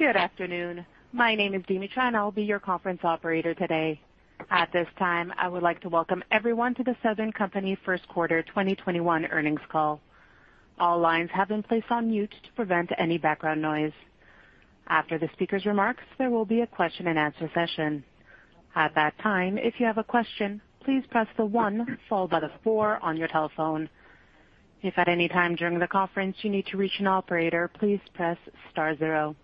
Good afternoon. My name is Dimitra. I will be your conference operator today. At this time, I would like to welcome everyone to the Southern Company first quarter 2021 earnings call. All lines have been placed on mute to prevent any background noise. After the speaker's remarks, there will be a question and answer session. At that time, if you have a question, please press the one followed by the four on your telephone. If at any time during the conference you need to reach an operator, please press star zero.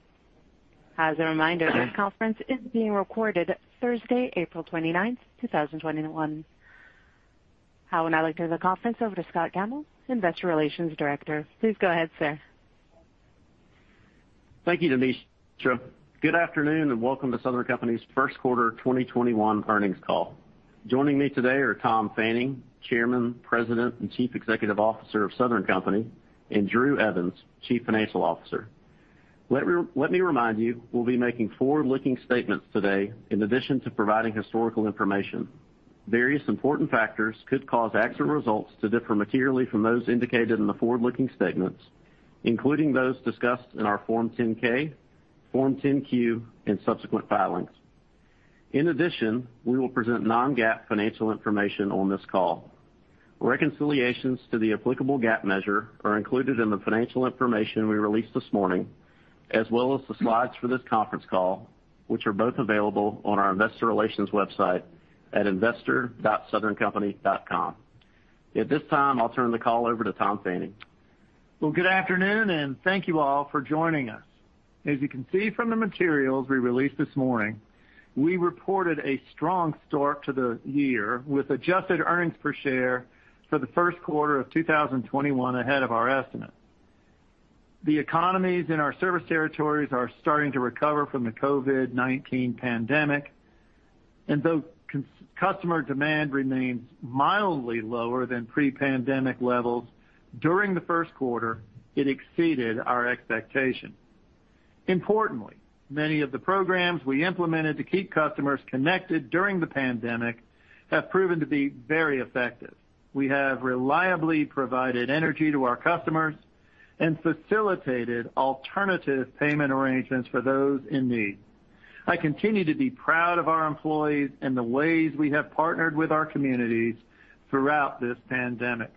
As a reminder, this conference is being recorded Thursday, April 29th, 2021. I would now like to turn the conference over to Scott Gammill, Investor Relations Director. Please go ahead, sir. Thank you, Dimitra. Good afternoon. Welcome to Southern Company's first quarter 2021 earnings call. Joining me today are Tom Fanning, Chairman, President, and Chief Executive Officer of Southern Company, and Drew Evans, Chief Financial Officer. Let me remind you, we'll be making forward-looking statements today in addition to providing historical information. Various important factors could cause actual results to differ materially from those indicated in the forward-looking statements, including those discussed in our Form 10-K, Form 10-Q, and subsequent filings. In addition, we will present non-GAAP financial information on this call. Reconciliations to the applicable GAAP measure are included in the financial information we released this morning, as well as the slides for this conference call, which are both available on our investor relations website at investor.southerncompany.com. At this time, I'll turn the call over to Tom Fanning. Well, good afternoon, and thank you all for joining us. As you can see from the materials we released this morning, we reported a strong start to the year with adjusted earnings per share for the first quarter of 2021 ahead of our estimate. The economies in our service territories are starting to recover from the COVID-19 pandemic, and though customer demand remains mildly lower than pre-pandemic levels, during the first quarter, it exceeded our expectation. Importantly, many of the programs we implemented to keep customers connected during the pandemic have proven to be very effective. We have reliably provided energy to our customers and facilitated alternative payment arrangements for those in need. I continue to be proud of our employees and the ways we have partnered with our communities throughout this pandemic.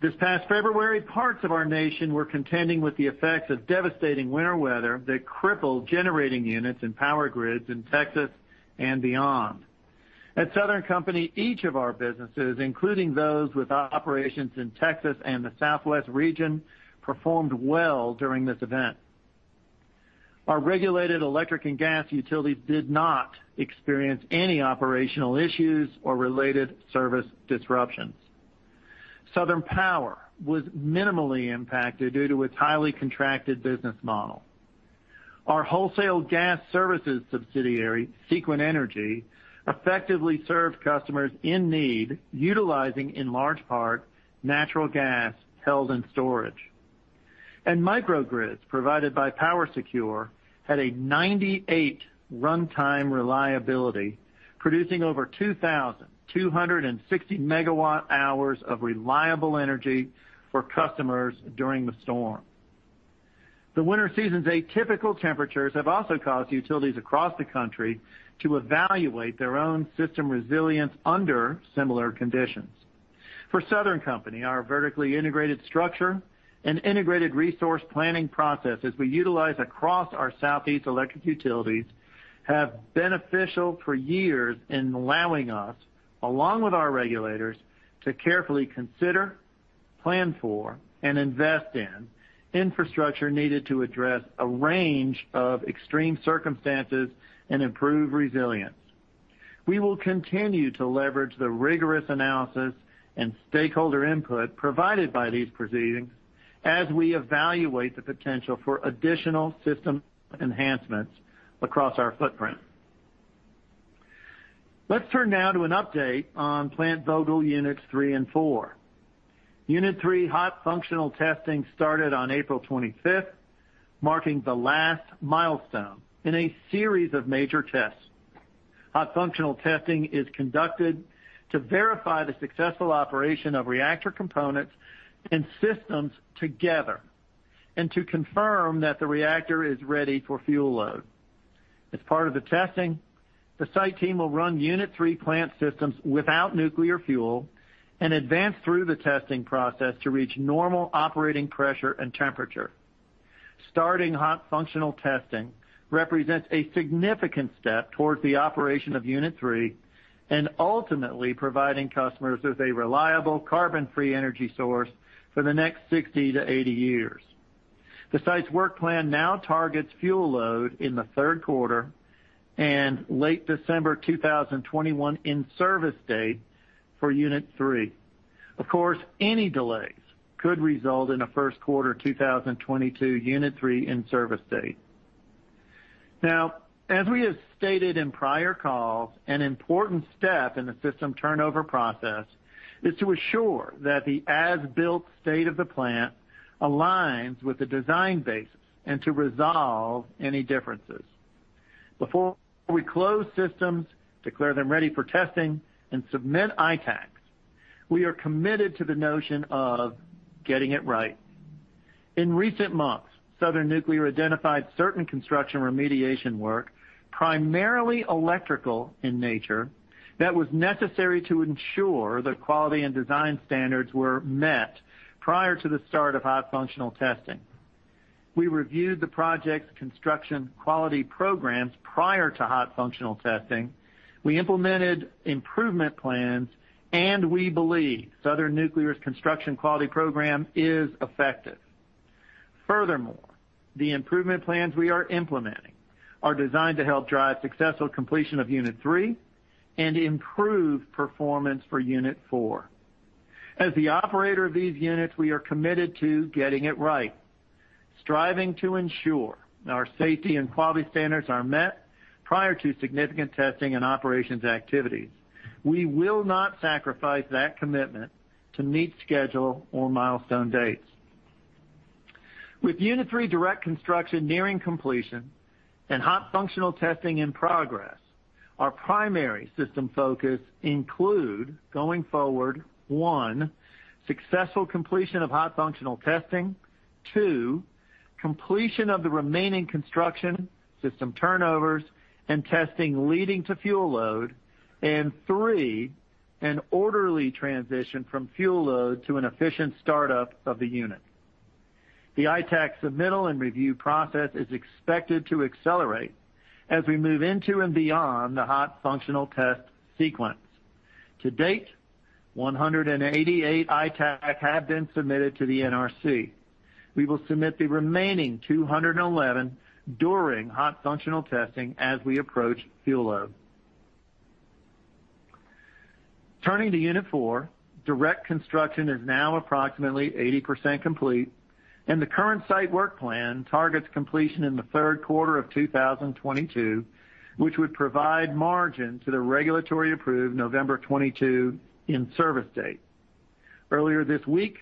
This past February, parts of our nation were contending with the effects of devastating winter weather that crippled generating units and power grids in Texas and beyond. At Southern Company, each of our businesses, including those with operations in Texas and the Southwest region, performed well during this event. Our regulated electric and gas utilities did not experience any operational issues or related service disruptions. Southern Power was minimally impacted due to its highly contracted business model. Our wholesale gas services subsidiary, Sequent Energy, effectively served customers in need, utilizing in large part natural gas held in storage, and microgrids provided by PowerSecure had a 98% runtime reliability, producing over 2,260 megawatt hours of reliable energy for customers during the storm. The winter season's atypical temperatures have also caused utilities across the country to evaluate their own system resilience under similar conditions. For Southern Company, our vertically integrated structure and integrated resource planning processes we utilize across our Southeast electric utilities have been official for years in allowing us, along with our regulators, to carefully consider, plan for, and invest in infrastructure needed to address a range of extreme circumstances and improve resilience. We will continue to leverage the rigorous analysis and stakeholder input provided by these proceedings as we evaluate the potential for additional system enhancements across our footprint. Let's turn now to an update on Plant Vogtle Units 3 and 4. Unit 3 hot functional testing started on April 25th, marking the last milestone in a series of major tests. hot functional testing is conducted to verify the successful operation of reactor components and systems together and to confirm that the reactor is ready for fuel load. As part of the testing, the site team will run Unit 3 plant systems without nuclear fuel and advance through the testing process to reach normal operating pressure and temperature. Starting hot functional testing represents a significant step towards the operation of Unit 3 and ultimately providing customers with a reliable carbon-free energy source for the next 60-80 years. The site's work plan now targets fuel load in the third quarter and late December 2021 in-service date for Unit 3. Of course, any delays could result in a first quarter 2022 Unit 3 in-service date. As we have stated in prior calls, an important step in the system turnover process is to assure that the as-built state of the plant aligns with the design basis and to resolve any differences. Before we close systems, declare them ready for testing, and submit ITAAC, we are committed to the notion of getting it right. In recent months, Southern Nuclear identified certain construction remediation work, primarily electrical in nature, that was necessary to ensure that quality and design standards were met prior to the start of hot functional testing. We reviewed the project's construction quality programs prior to hot functional testing. We implemented improvement plans, we believe Southern Nuclear's construction quality program is effective. The improvement plans we are implementing are designed to help drive successful completion of Unit 3 and improve performance for Unit 4. As the operator of these units, we are committed to getting it right, striving to ensure our safety and quality standards are met prior to significant testing and operations activities. We will not sacrifice that commitment to meet schedule or milestone dates. With Unit 3 direct construction nearing completion and hot functional testing in progress, our primary system focus include, going forward, one, successful completion of hot functional testing, two, completion of the remaining construction, system turnovers, and testing leading to fuel load, and three, an orderly transition from fuel load to an efficient startup of the unit. The ITAAC submittal and review process is expected to accelerate as we move into and beyond the hot functional test sequence. To date, 188 ITAAC have been submitted to the NRC. We will submit the remaining 211 during hot functional testing as we approach fuel load. Turning to Unit 4, direct construction is now approximately 80% complete, and the current site work plan targets completion in the third quarter of 2022, which would provide margin to the regulatory-approved November 2022 in-service date. Earlier this week,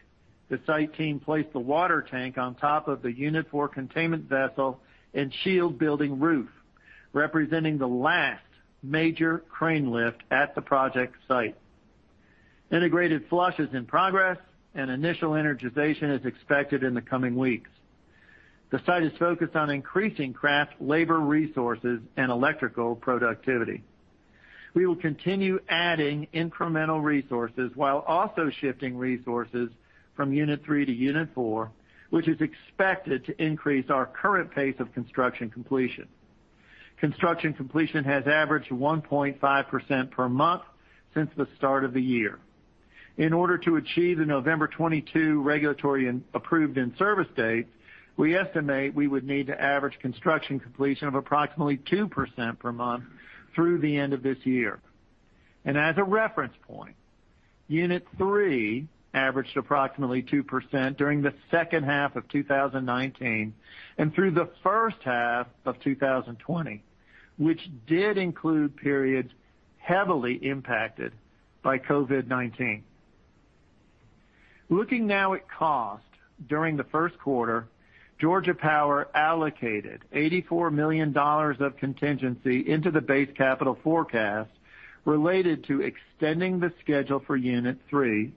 the site team placed the water tank on top of the Unit 4 containment vessel and shield building roof, representing the last major crane lift at the project site. Integrated flush is in progress, and initial energization is expected in the coming weeks. The site is focused on increasing craft labor resources and electrical productivity. We will continue adding incremental resources while also shifting resources from Unit 3-Unit 4, which is expected to increase our current pace of construction completion. Construction completion has averaged 1.5% per month since the start of the year. In order to achieve the November 2022 regulatory-approved in-service date, we estimate we would need to average construction completion of approximately 2% per month through the end of this year. As a reference point, Unit 3 averaged approximately 2% during the second half of 2019 and through the first half of 2020, which did include periods heavily impacted by COVID-19. Looking now at cost, during the first quarter, Georgia Power allocated $84 million of contingency into the base capital forecast related to extending the schedule for Unit 3,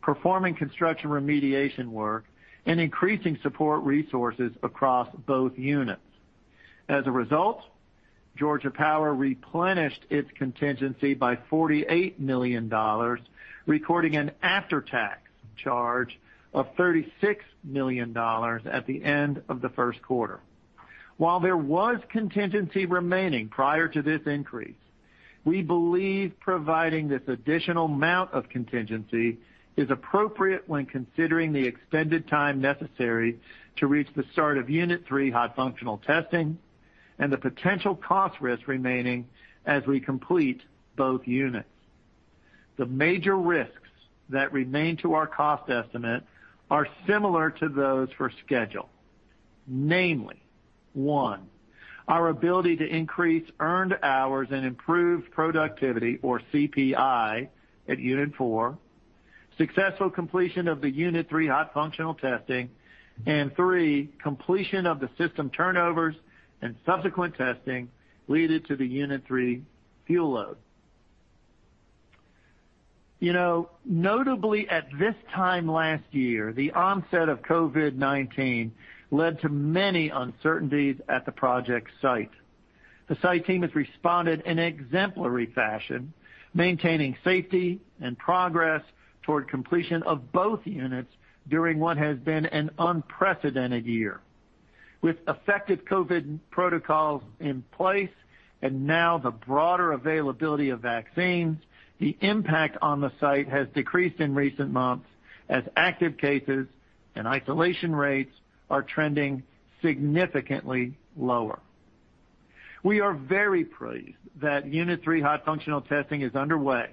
performing construction remediation work, and increasing support resources across both units. As a result, Georgia Power replenished its contingency by $48 million, recording an after-tax charge of $36 million at the end of the first quarter. While there was contingency remaining prior to this increase, we believe providing this additional amount of contingency is appropriate when considering the extended time necessary to reach the start of Unit 3 hot functional testing and the potential cost risk remaining as we complete both units. The major risks that remain to our cost estimate are similar to those for schedule. Namely, one, our ability to increase earned hours and improve productivity, or CPI, at Unit 4, successful completion of the Unit 3 hot functional testing, and three, completion of the system turnovers and subsequent testing leading to the Unit 3 fuel load. Notably, at this time last year, the onset of COVID-19 led to many uncertainties at the project site. The site team has responded in exemplary fashion, maintaining safety and progress toward completion of both units during what has been an unprecedented year. With effective COVID protocols in place and now the broader availability of vaccines, the impact on the site has decreased in recent months as active cases and isolation rates are trending significantly lower. We are very pleased that Unit 3 hot functional testing is underway.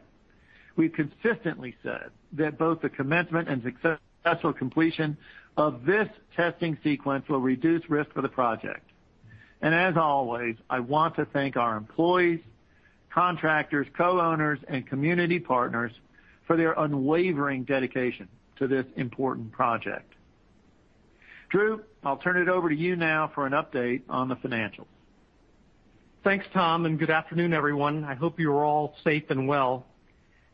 We've consistently said that both the commencement and successful completion of this testing sequence will reduce risk for the project. As always, I want to thank our employees, contractors, co-owners, and community partners for their unwavering dedication to this important project. Drew, I'll turn it over to you now for an update on the financials. Thanks, Tom. Good afternoon, everyone. I hope you are all safe and well.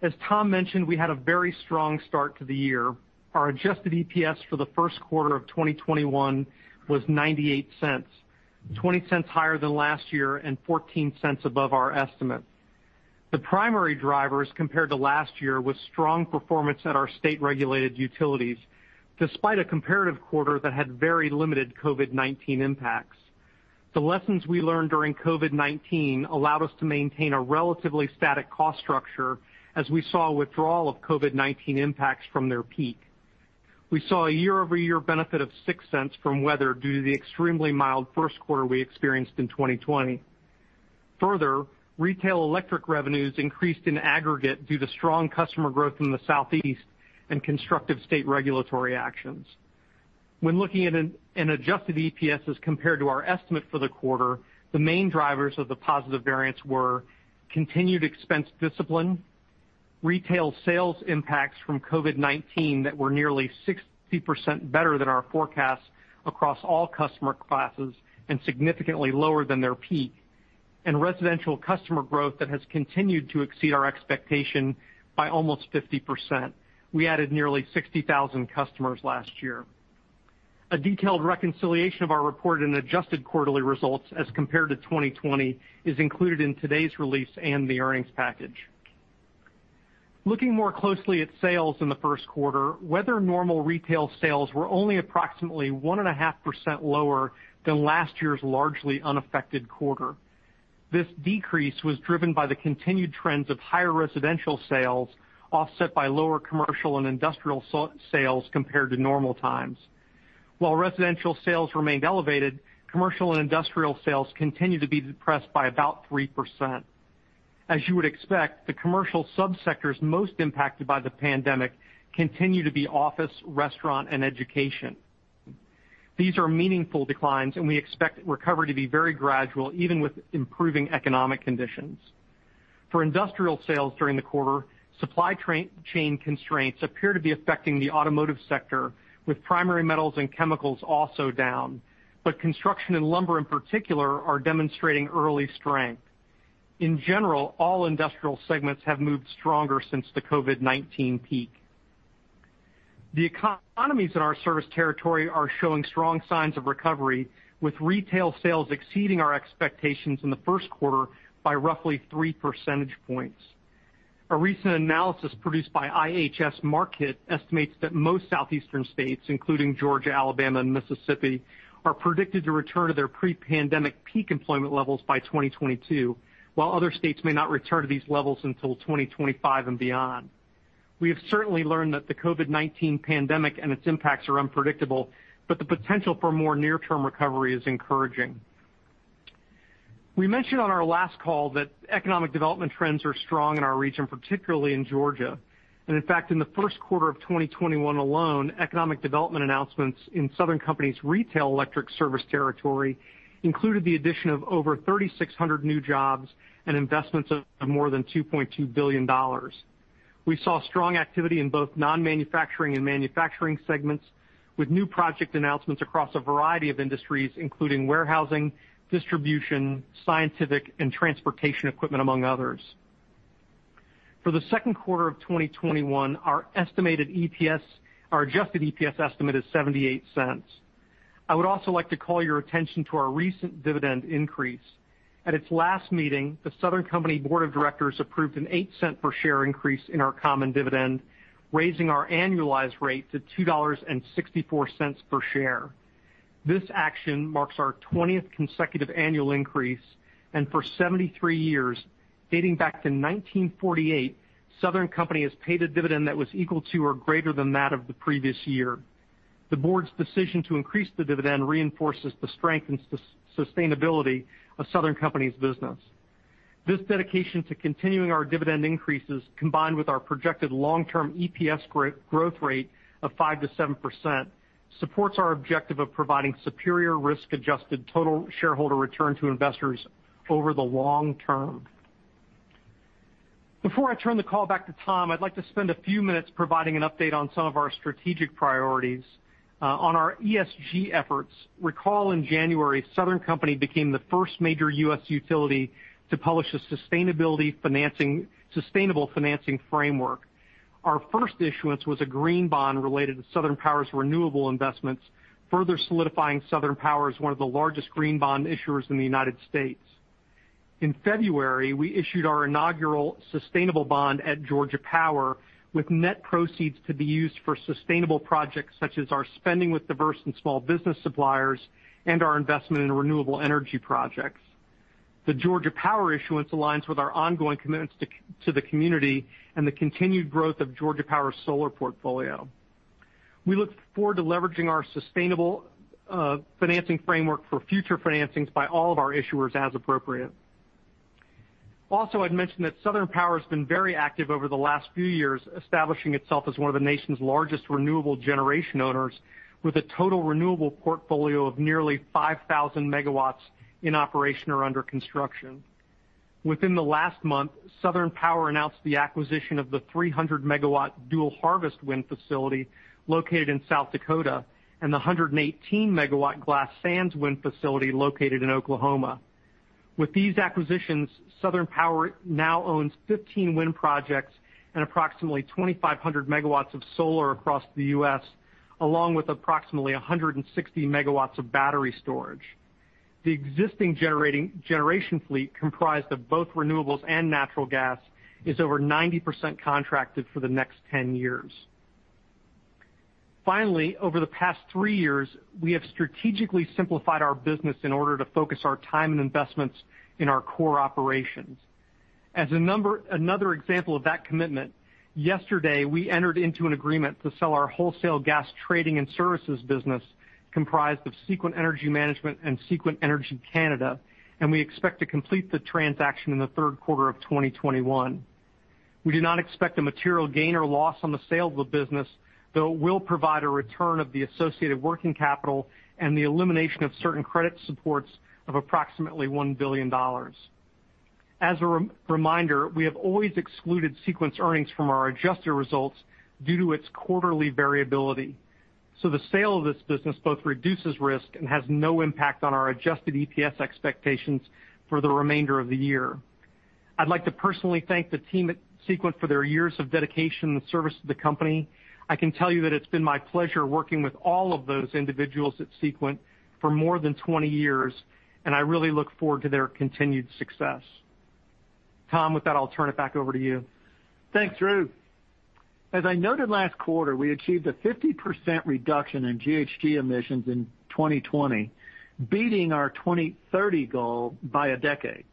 As Tom mentioned, we had a very strong start to the year. Our adjusted EPS for the first quarter of 2021 was $0.98, $0.20 higher than last year and $0.14 above our estimate. The primary drivers compared to last year was strong performance at our state-regulated utilities, despite a comparative quarter that had very limited COVID-19 impacts. The lessons we learned during COVID-19 allowed us to maintain a relatively static cost structure as we saw a withdrawal of COVID-19 impacts from their peak. We saw a year-over-year benefit of $0.06 from weather due to the extremely mild first quarter we experienced in 2020. Further, retail electric revenues increased in aggregate due to strong customer growth in the Southeast and constructive state regulatory actions. When looking at an adjusted EPS as compared to our estimate for the quarter, the main drivers of the positive variance were continued expense discipline, retail sales impacts from COVID-19 that were nearly 60% better than our forecast across all customer classes and significantly lower than their peak, and residential customer growth that has continued to exceed our expectation by almost 50%. We added nearly 60,000 customers last year. A detailed reconciliation of our reported and adjusted quarterly results as compared to 2020 is included in today's release and the earnings package. Looking more closely at sales in the first quarter, weather-normal retail sales were only approximately 1.5% lower than last year's largely unaffected quarter. This decrease was driven by the continued trends of higher residential sales offset by lower commercial and industrial sales compared to normal times. While residential sales remained elevated, commercial and industrial sales continued to be depressed by about 3%. As you would expect, the commercial subsectors most impacted by the pandemic continue to be office, restaurant, and education. These are meaningful declines, and we expect recovery to be very gradual even with improving economic conditions. For industrial sales during the quarter, supply chain constraints appear to be affecting the automotive sector, with primary metals and chemicals also down. Construction and lumber in particular are demonstrating early strength. In general, all industrial segments have moved stronger since the COVID-19 peak. The economies in our service territory are showing strong signs of recovery, with retail sales exceeding our expectations in the first quarter by roughly 3 percentage points. A recent analysis produced by IHS Markit estimates that most Southeastern states, including Georgia, Alabama, and Mississippi, are predicted to return to their pre-pandemic peak employment levels by 2022, while other states may not return to these levels until 2025 and beyond. We have certainly learned that the COVID-19 pandemic and its impacts are unpredictable, but the potential for more near-term recovery is encouraging. We mentioned on our last call that economic development trends are strong in our region, particularly in Georgia, and in fact, in the first quarter of 2021 alone, economic development announcements in Southern Company's retail electric service territory included the addition of over 3,600 new jobs and investments of more than $2.2 billion. We saw strong activity in both non-manufacturing and manufacturing segments with new project announcements across a variety of industries, including warehousing, distribution, scientific, and transportation equipment, among others. For the second quarter of 2021, our adjusted EPS estimate is $0.78. I would also like to call your attention to our recent dividend increase. At its last meeting, the Southern Company board of directors approved an $0.08 per share increase in our common dividend, raising our annualized rate to $2.64 per share. This action marks our 20th consecutive annual increase. For 73 years, dating back to 1948, Southern Company has paid a dividend that was equal to or greater than that of the previous year. The board's decision to increase the dividend reinforces the strength and sustainability of Southern Company's business. This dedication to continuing our dividend increases, combined with our projected long-term EPS growth rate of 5%-7%, supports our objective of providing superior risk-adjusted total shareholder return to investors over the long term. Before I turn the call back to Tom, I'd like to spend a few minutes providing an update on some of our strategic priorities. On our ESG efforts, recall in January, Southern Company became the first major U.S. utility to publish a sustainable financing framework. Our first issuance was a green bond related to Southern Power's renewable investments, further solidifying Southern Power as one of the largest green bond issuers in the United States. In February, we issued our inaugural sustainable bond at Georgia Power with net proceeds to be used for sustainable projects such as our spending with diverse and small business suppliers and our investment in renewable energy projects. The Georgia Power issuance aligns with our ongoing commitments to the community and the continued growth of Georgia Power's solar portfolio. We look forward to leveraging our sustainable financing framework for future financings by all of our issuers as appropriate. Also, I'd mention that Southern Power has been very active over the last few years establishing itself as one of the nation's largest renewable generation owners with a total renewable portfolio of nearly 5,000 MW in operation or under construction. Within the last month, Southern Power announced the acquisition of the 300-MW Deuel Harvest Wind Farm facility located in South Dakota and the 118-MW Glass Sands Wind Facility located in Oklahoma. With these acquisitions, Southern Power now owns 15 wind projects and approximately 2,500 MW of solar across the U.S., along with approximately 160 MW of battery storage. The existing generation fleet, comprised of both renewables and natural gas, is over 90% contracted for the next 10 years. Finally, over the past three years, we have strategically simplified our business in order to focus our time and investments in our core operations. As another example of that commitment, yesterday, we entered into an agreement to sell our wholesale gas trading and services business comprised of Sequent Energy Management and Sequent Energy Canada, and we expect to complete the transaction in the third quarter of 2021. We do not expect a material gain or loss on the sale of the business, though it will provide a return of the associated working capital and the elimination of certain credit supports of approximately $1 billion. As a reminder, we have always excluded Sequent's earnings from our adjusted results due to its quarterly variability. The sale of this business both reduces risk and has no impact on our adjusted EPS expectations for the remainder of the year. I'd like to personally thank the team at Sequent for their years of dedication and service to the company. I can tell you that it's been my pleasure working with all of those individuals at Sequent for more than 20 years, and I really look forward to their continued success. Tom, with that, I'll turn it back over to you. Thanks, Drew. As I noted last quarter, we achieved a 50% reduction in GHG emissions in 2020, beating our 2030 goal by a decade.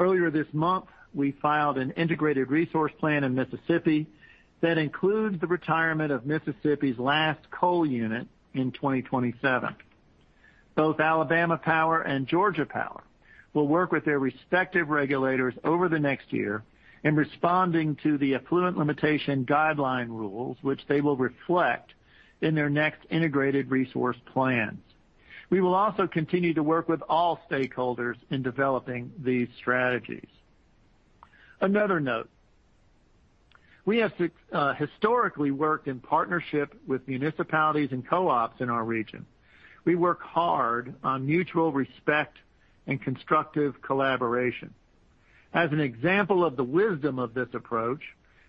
Earlier this month, we filed an integrated resource plan in Mississippi that includes the retirement of Mississippi's last coal unit in 2027. Both Alabama Power and Georgia Power will work with their respective regulators over the next year in responding to the Effluent Limitation Guidelines rules, which they will reflect in their next integrated resource plans. We will also continue to work with all stakeholders in developing these strategies. Another note, we have historically worked in partnership with municipalities and co-ops in our region. We work hard on mutual respect and constructive collaboration. As an example of the wisdom of this approach,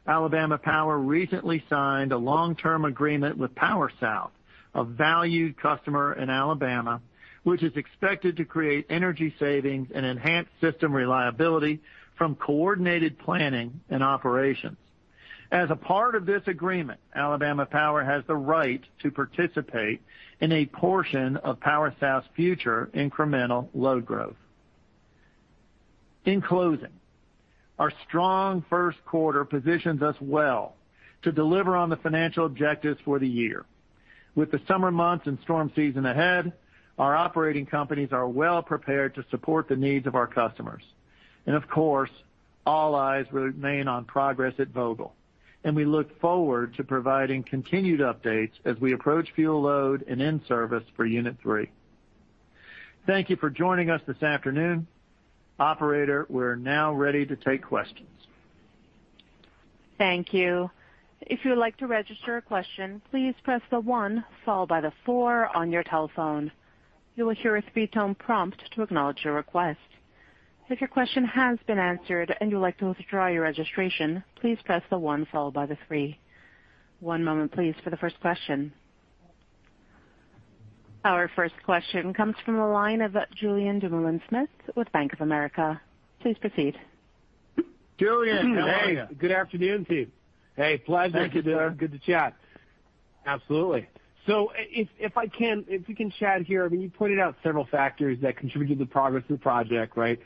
Alabama Power recently signed a long-term agreement with PowerSouth, a valued customer in Alabama, which is expected to create energy savings and enhance system reliability from coordinated planning and operations. As a part of this agreement, Alabama Power has the right to participate in a portion of PowerSouth's future incremental load growth. In closing, our strong first quarter positions us well to deliver on the financial objectives for the year. With the summer months and storm season ahead, our operating companies are well prepared to support the needs of our customers. Of course, all eyes remain on progress at Vogtle, and we look forward to providing continued updates as we approach fuel load and in-service for Unit 3. Thank you for joining us this afternoon. Operator, we're now ready to take questions. Thank you. If you would like to register a question, please press the one followed by the four on your telephone. You will hear a three-tone prompt to acknowledge your request. If your question has been answered and you'd like to withdraw your registration, please press the one followed by the three. One moment please for the first question. Our first question comes from the line of Julien Dumoulin-Smith with Bank of America. Please proceed. Julien, how are you? Good afternoon, team. Hey, pleasure. Thank you, sir. Good to chat. Absolutely. If we can chat here, you pointed out several factors that contributed to the progress of the project, right?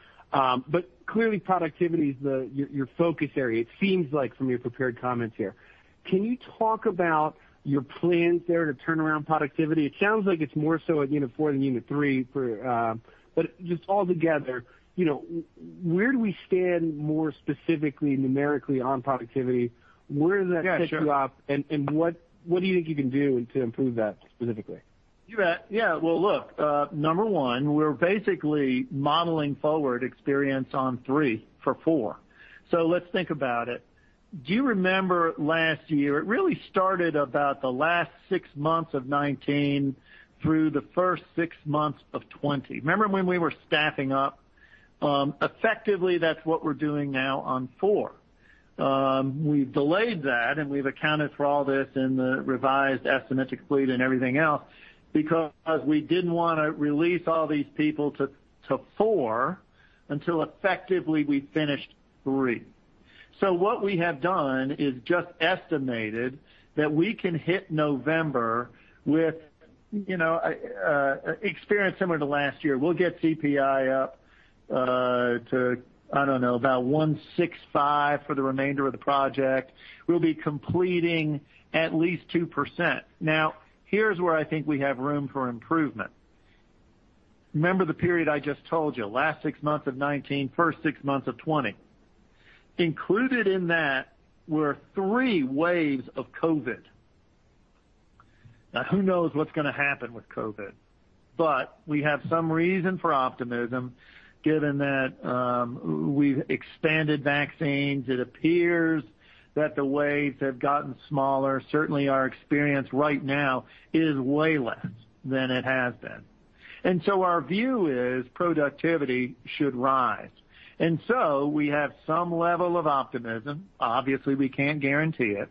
Clearly, productivity is your focus area, it seems like from your prepared comments here. Can you talk about your plans there to turn around productivity? It sounds like it's more so at Unit 4 than Unit 3. Just all together, where do we stand more specifically, numerically on productivity? Where does that pick you up? Yeah, sure. What do you think you can do to improve that specifically? You bet. Look, number one, we're basically modeling forward experience on 3 for 4. Let's think about it. Do you remember last year? It really started about the last six months of 2019 through the first six months of 2020. Remember when we were staffing up? Effectively, that's what we're doing now on 4. We've delayed that, and we've accounted for all this in the revised estimate at complete and everything else because we didn't want to release all these people to 4 until effectively we finished 3. What we have done is just estimated that we can hit November with experience similar to last year. We'll get CPI up to, I don't know, about 165 for the remainder of the project. We'll be completing at least 2%. Here's where I think we have room for improvement. Remember the period I just told you, last six months of 2019, first six months of 2020. Included in that were three waves of COVID. Now, who knows what's going to happen with COVID? We have some reason for optimism given that we've expanded vaccines. It appears that the waves have gotten smaller. Certainly, our experience right now is way less than it has been. Our view is productivity should rise. We have some level of optimism, obviously, we can't guarantee it,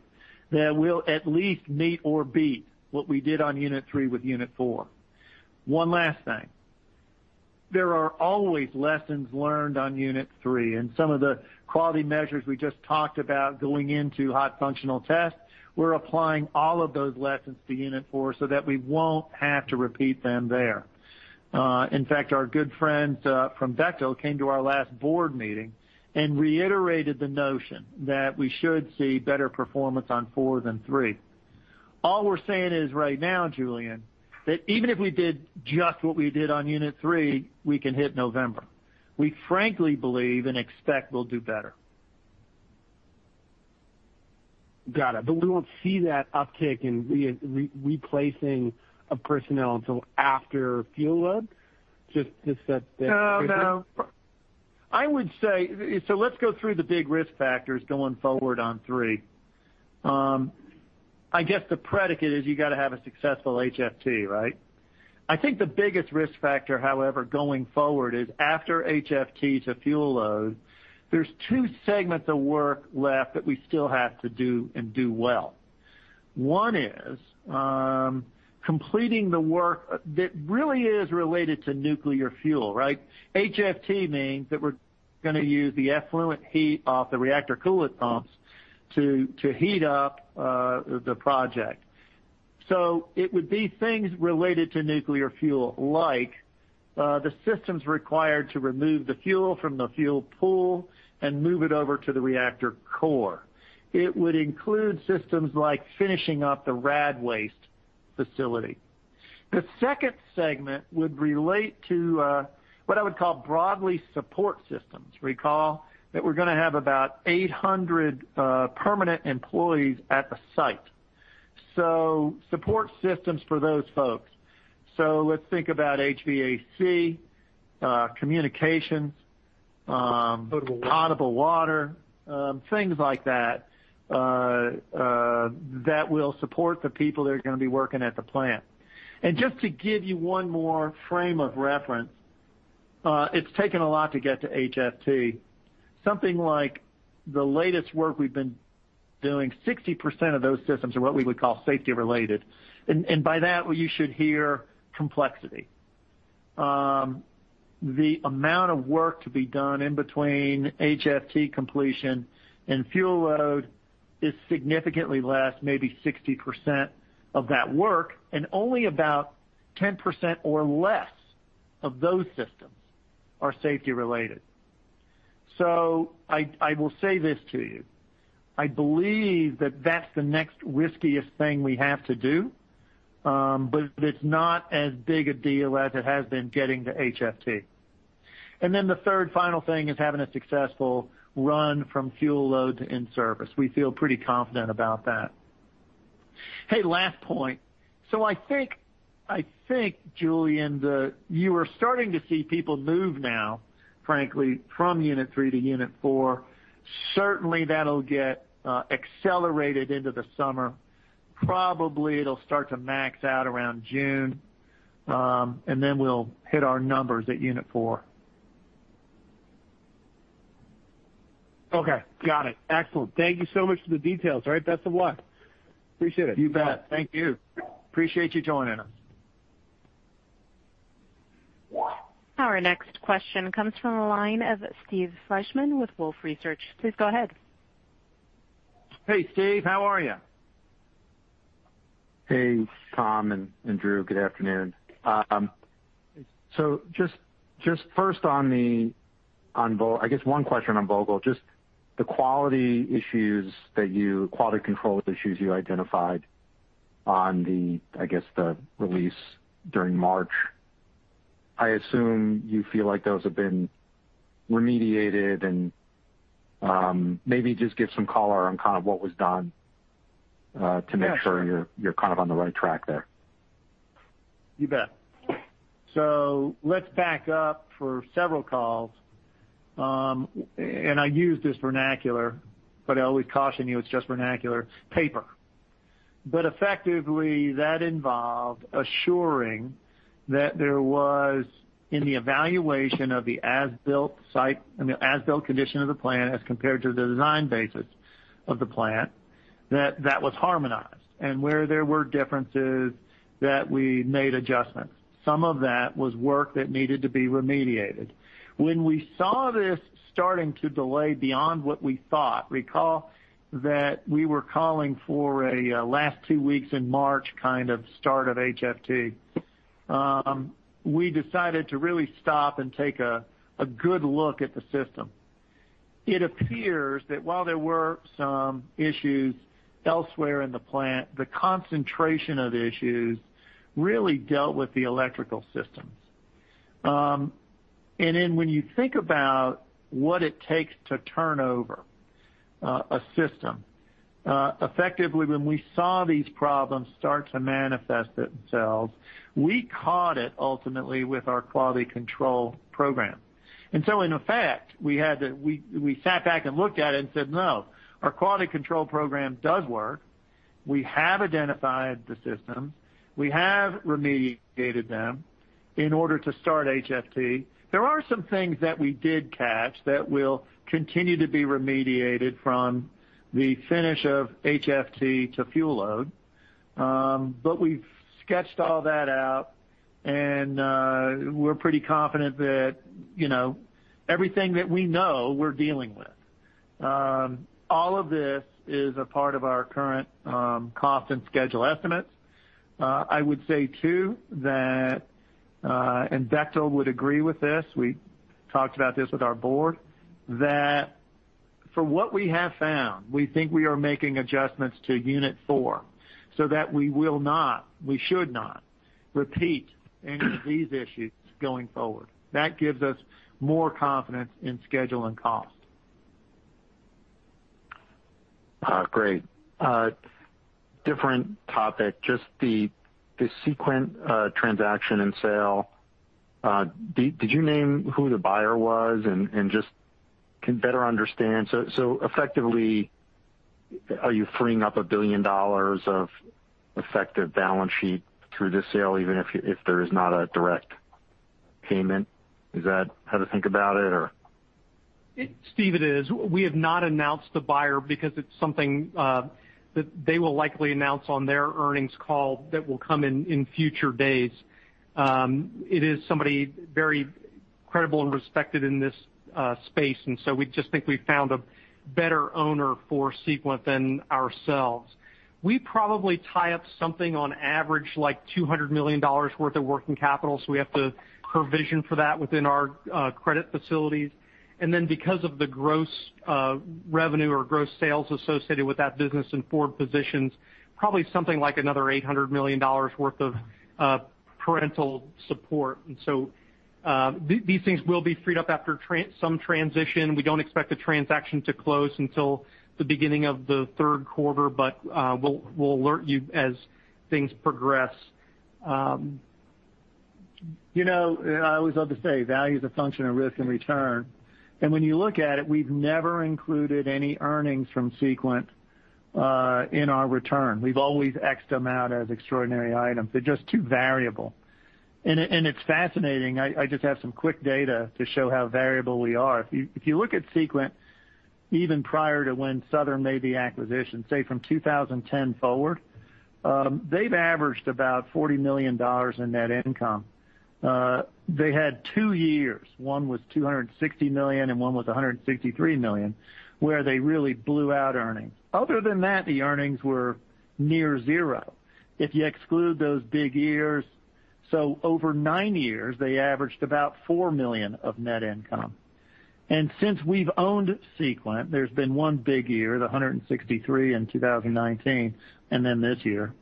that we'll at least meet or beat what we did on Unit 3 with Unit 4. One last thing, there are always lessons learned on Unit 3, some of the quality measures we just talked about going into hot functional tests, we're applying all of those lessons to Unit 4 so that we won't have to repeat them there. In fact, our good friend from Bechtel came to our last board meeting and reiterated the notion that we should see better performance on four than three. All we're saying is right now, Julien, that even if we did just what we did on Unit 3, we can hit November. We frankly believe and expect we'll do better. Got it. We won't see that uptick in replacing of personnel until after fuel load? No. Let's go through the big risk factors going forward on three. I guess the predicate is you got to have a successful HFT, right? I think the biggest risk factor, however, going forward is after HFT to fuel load, there's two segments of work left that we still have to do and do well. One is completing the work that really is related to nuclear fuel. HFT means that we're going to use the effluent heat off the reactor coolant pumps to heat up the project. It would be things related to nuclear fuel, like the systems required to remove the fuel from the fuel pool and move it over to the reactor core. It would include systems like finishing up the radioactive waste facility. The second segment would relate to what I would call broadly support systems. Recall that we're going to have about 800 permanent employees at the site. Support systems for those folks. Let's think about HVAC, communications. Potable water Potable water, things like that will support the people that are going to be working at the plant. Just to give you one more frame of reference, it's taken a lot to get to HFT. Something like the latest work we've been doing, 60% of those systems are what we would call safety-related. By that, you should hear complexity. The amount of work to be done in between HFT completion and fuel load is significantly less, maybe 60% of that work, and only about 10% or less of those systems are safety-related. I will say this to you. I believe that that's the next riskiest thing we have to do, but it's not as big a deal as it has been getting to HFT. Then the third final thing is having a successful run from fuel load to in-service. We feel pretty confident about that. Hey, last point. I think, Julien, you are starting to see people move now, frankly, from Unit 3-Unit 4. Certainly, that'll get accelerated into the summer. Probably it'll start to max out around June, and then we'll hit our numbers at Unit 4. Okay. Got it. Excellent. Thank you so much for the details. All right, best of luck. Appreciate it. You bet. Thank you. Appreciate you joining us. Our next question comes from the line of Steve Fleishman with Wolfe Research. Please go ahead. Hey, Steve. How are you? Hey, Tom and Drew. Good afternoon. Just first I guess one question on Vogtle. Just the quality control issues you identified on the release during March, I assume you feel like those have been remediated and maybe just give some color on what was done to make sure. Yes You're on the right track there. You bet. Let's back up for several calls. I use this vernacular, but I always caution you, it's just vernacular paper. Effectively, that involved assuring that there was, in the evaluation of the as-built condition of the plant as compared to the design basis of the plant, that that was harmonized, and where there were differences, that we made adjustments. Some of that was work that needed to be remediated. When we saw this starting to delay beyond what we thought, recall that we were calling for a last two weeks in March kind of start of HFT. We decided to really stop and take a good look at the system. It appears that while there were some issues elsewhere in the plant, the concentration of issues really dealt with the electrical systems. When you think about what it takes to turn over a system, effectively, when we saw these problems start to manifest themselves, we caught it ultimately with our quality control program. In effect, we sat back and looked at it and said, "No, our quality control program does work. We have identified the system. We have remediated them in order to start HFT." There are some things that we did catch that will continue to be remediated from the finish of HFT to fuel load. We've sketched all that out, and we're pretty confident that everything that we know we're dealing with. All of this is a part of our current cost and schedule estimates. I would say, too, that, and Bechtel would agree with this, we talked about this with our board, that from what we have found, we think we are making adjustments to Unit 4 so that we will not, we should not repeat any of these issues going forward. That gives us more confidence in schedule and cost. Great. Different topic, just the Sequent transaction and sale. Did you name who the buyer was and just can better understand? Effectively, are you freeing up $1 billion of effective balance sheet through this sale, even if there is not a direct payment? Is that how to think about it or? Steve, it is. We have not announced the buyer because it's something that they will likely announce on their earnings call that will come in future days. It is somebody very credible and respected in this space, and so we just think we've found a better owner for Sequent than ourselves. We probably tie up something on average, like $200 million worth of working capital, so we have to provision for that within our credit facilities. Because of the gross revenue or gross sales associated with that business and forward positions, probably something like another $800 million worth of parental support. These things will be freed up after some transition. We don't expect the transaction to close until the beginning of the third quarter, but we'll alert you as things progress. I always love to say value is a function of risk and return. When you look at it, we've never included any earnings from Sequent in our return. We've always X'd them out as extraordinary items. They're just too variable. It's fascinating. I just have some quick data to show how variable we are. If you look at Sequent, even prior to when Southern made the acquisition, say, from 2010 forward, they've averaged about $40 million in net income. They had two years, one was $260 million and one was $163 million, where they really blew out earnings. Other than that, the earnings were near zero if you exclude those big years. Over nine years, they averaged about $4 million of net income. Since we've owned Sequent, there's been one big year, the $163 in 2019, and then this year.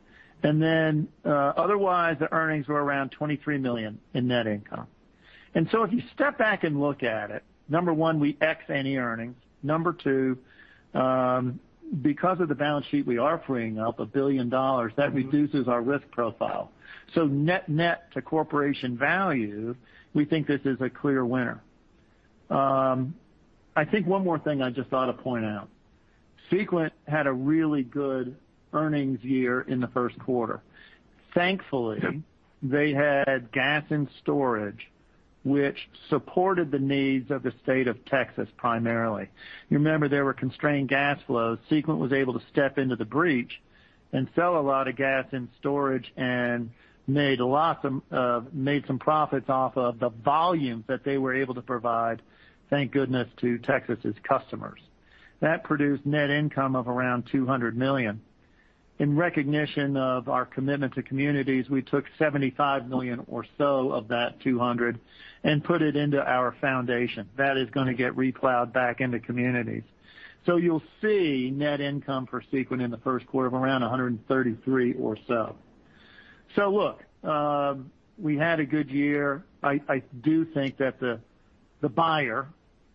Otherwise, the earnings were around $23 million in net income. If you step back and look at it, number one, we X any earnings. Number two, because of the balance sheet, we are freeing up $1 billion. That reduces our risk profile. Net net to corporation value, we think this is a clear winner. I think one more thing I just ought to point out. Sequent had a really good earnings year in the first quarter. Thankfully, they had gas in storage, which supported the needs of the state of Texas primarily. You remember there were constrained gas flows. Sequent was able to step into the breach and sell a lot of gas in storage and made some profits off of the volumes that they were able to provide, thank goodness, to Texas' customers. That produced net income of around $200 million. In recognition of our commitment to communities, we took $75 million or so of that $200 and put it into our foundation. That is going to get re-plowed back into communities. You'll see net income for Sequent in the first quarter of around $133 or so. Look, we had a good year. I do think that the buyer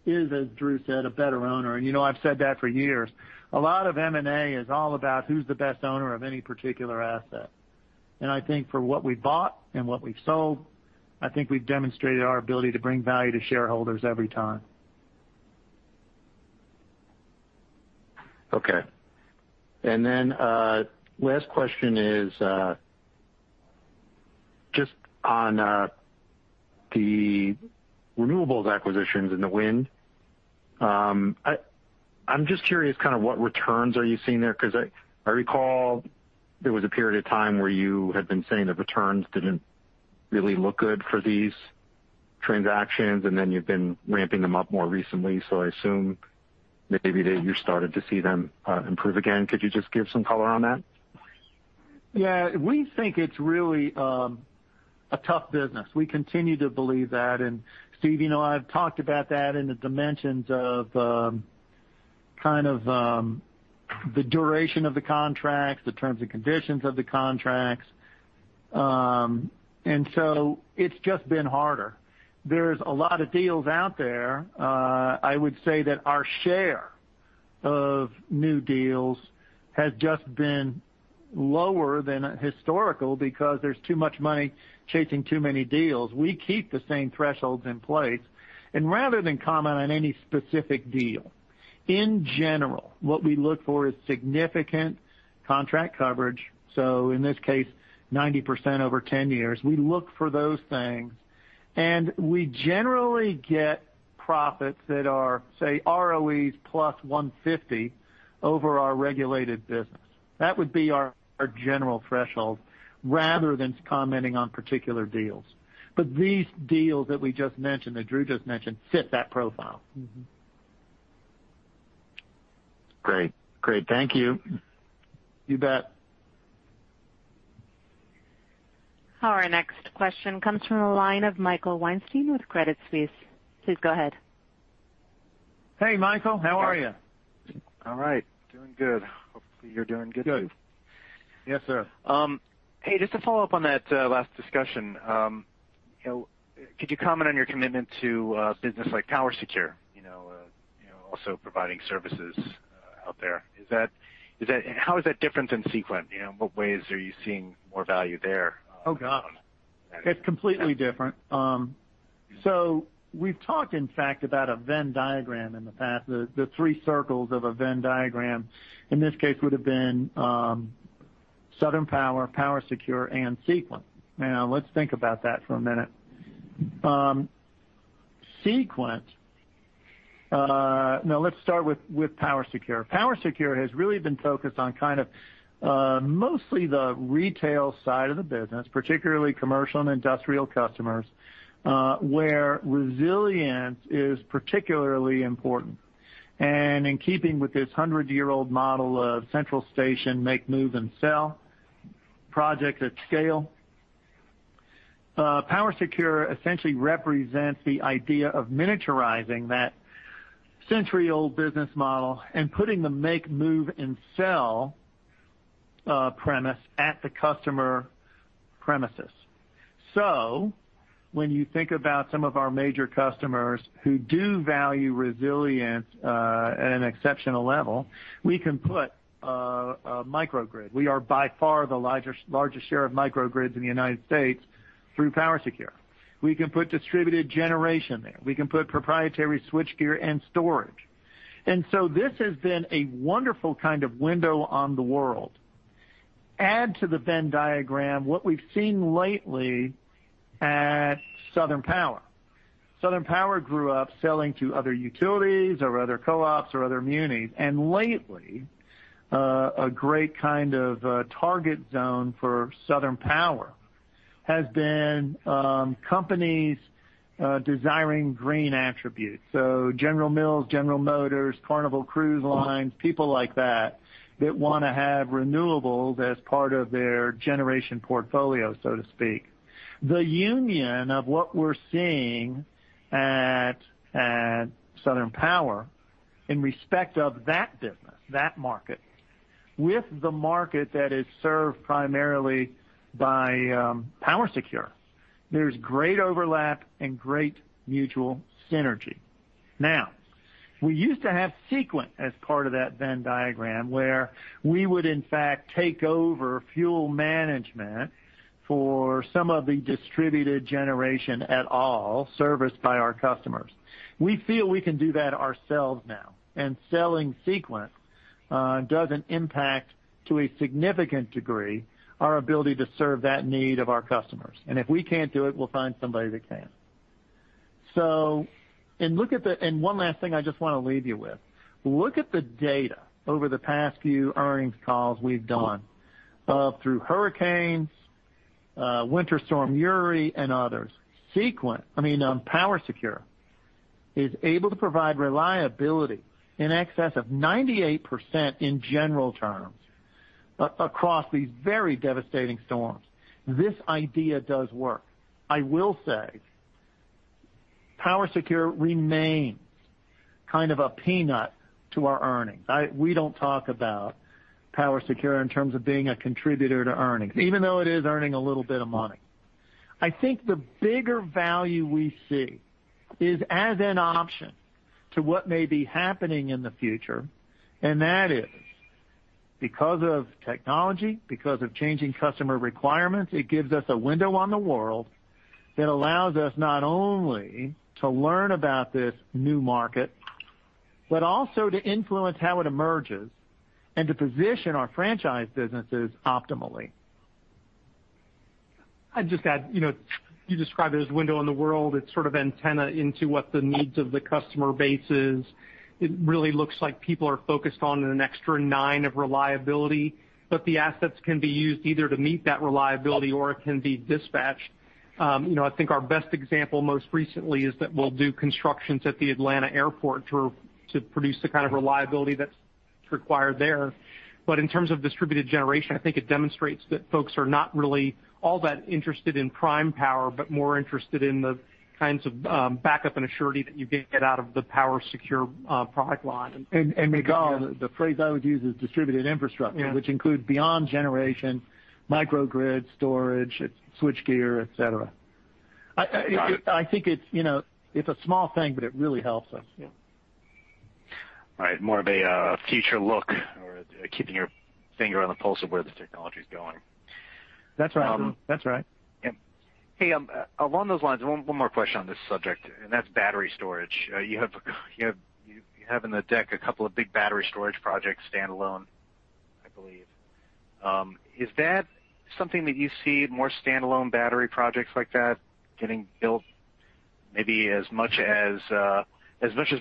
is, as Drew said, a better owner. You know I've said that for years. A lot of M&A is all about who's the best owner of any particular asset. I think for what we bought and what we've sold, I think we've demonstrated our ability to bring value to shareholders every time. Okay. Last question is just on the renewables acquisitions and the wind. I'm just curious kind of what returns are you seeing there? I recall there was a period of time where you had been saying the returns didn't really look good for these transactions, and then you've been ramping them up more recently. I assume maybe that you started to see them improve again. Could you just give some color on that? Yeah. We think it's really a tough business. We continue to believe that. Steve, I've talked about that in the dimensions of kind of the duration of the contracts, the terms and conditions of the contracts. It's just been harder. There's a lot of deals out there. I would say that our share of new deals has just been lower than historical because there's too much money chasing too many deals. We keep the same thresholds in place, and rather than comment on any specific deal, in general, what we look for is significant contract coverage. In this case, 90% over 10 years. We look for those things, and we generally get profits that are, say, ROEs plus 150 over our regulated business. That would be our general threshold rather than commenting on particular deals. These deals that we just mentioned, that Drew just mentioned, fit that profile. Great. Thank you. You bet. Our next question comes from the line of Michael Weinstein with Credit Suisse. Please go ahead. Hey, Michael. How are you? All right. Doing good. Hopefully, you're doing good too. Good. Yes, sir. Hey, just to follow up on that last discussion. Could you comment on your commitment to a business like PowerSecure also providing services out there? How is that different than Sequent? In what ways are you seeing more value there? Oh, God. It's completely different. We've talked, in fact, about a Venn diagram in the past. The three circles of a Venn diagram, in this case, would've been Southern Power, PowerSecure, and Sequent. Let's think about that for a minute. No, let's start with PowerSecure. PowerSecure has really been focused on kind of mostly the retail side of the business, particularly commercial and industrial customers, where resilience is particularly important. In keeping with this 100-year-old model of central station make, move, and sell projects at scale. PowerSecure essentially represents the idea of miniaturizing that century-old business model and putting the make, move, and sell premise at the customer premises. When you think about some of our major customers who do value resilience at an exceptional level, we can put a microgrid. We are by far the largest share of microgrids in the U.S. through PowerSecure. We can put distributed generation there. We can put proprietary switchgear and storage. This has been a wonderful kind of window on the world. Add to the Venn diagram what we've seen lately at Southern Power. Southern Power grew up selling to other utilities or other co-ops or other munis, and lately, a great kind of target zone for Southern Power has been companies desiring green attributes. General Mills, General Motors, Carnival Cruise Line, people like that want to have renewables as part of their generation portfolio, so to speak. The union of what we're seeing at Southern Power in respect of that business, that market with the market that is served primarily by PowerSecure. There's great overlap and great mutual synergy. We used to have Sequent as part of that Venn diagram, where we would in fact take over fuel management for some of the distributed generation at all serviced by our customers. We feel we can do that ourselves now, selling Sequent doesn't impact, to a significant degree, our ability to serve that need of our customers. If we can't do it, we'll find somebody that can. One last thing I just want to leave you with. Look at the data over the past few earnings calls we've done through hurricanes, Winter Storm Uri, and others. PowerSecure is able to provide reliability in excess of 98% in general terms across these very devastating storms. This idea does work. I will say PowerSecure remains kind of a peanut to our earnings. We don't talk about PowerSecure in terms of being a contributor to earnings, even though it is earning a little bit of money. I think the bigger value we see is as an option to what may be happening in the future, and that is because of technology, because of changing customer requirements. It gives us a window on the world that allows us not only to learn about this new market, but also to influence how it emerges and to position our franchise businesses optimally. You described it as a window on the world. It's sort of antenna into what the needs of the customer base is. It really looks like people are focused on an extra nine of reliability, but the assets can be used either to meet that reliability or it can be dispatched. I think our best example most recently is that we'll do constructions at the Atlanta airport to produce the kind of reliability that's required there. In terms of distributed generation, I think it demonstrates that folks are not really all that interested in prime power, but more interested in the kinds of backup and surety that you can get out of the PowerSecure product line. Michael, the phrase I would use is distributed infrastructure. Yeah Which includes beyond generation, microgrid storage, switchgear, et cetera. Right. I think it's a small thing, but it really helps us. Yeah. All right. More of a future look or keeping your finger on the pulse of where the technology's going. That's right. Yep. Hey, along those lines, one more question on this subject, and that's battery storage. You have in the deck a couple of big battery storage projects standalone, I believe. Is that something that you see more standalone battery projects like that getting built maybe as much as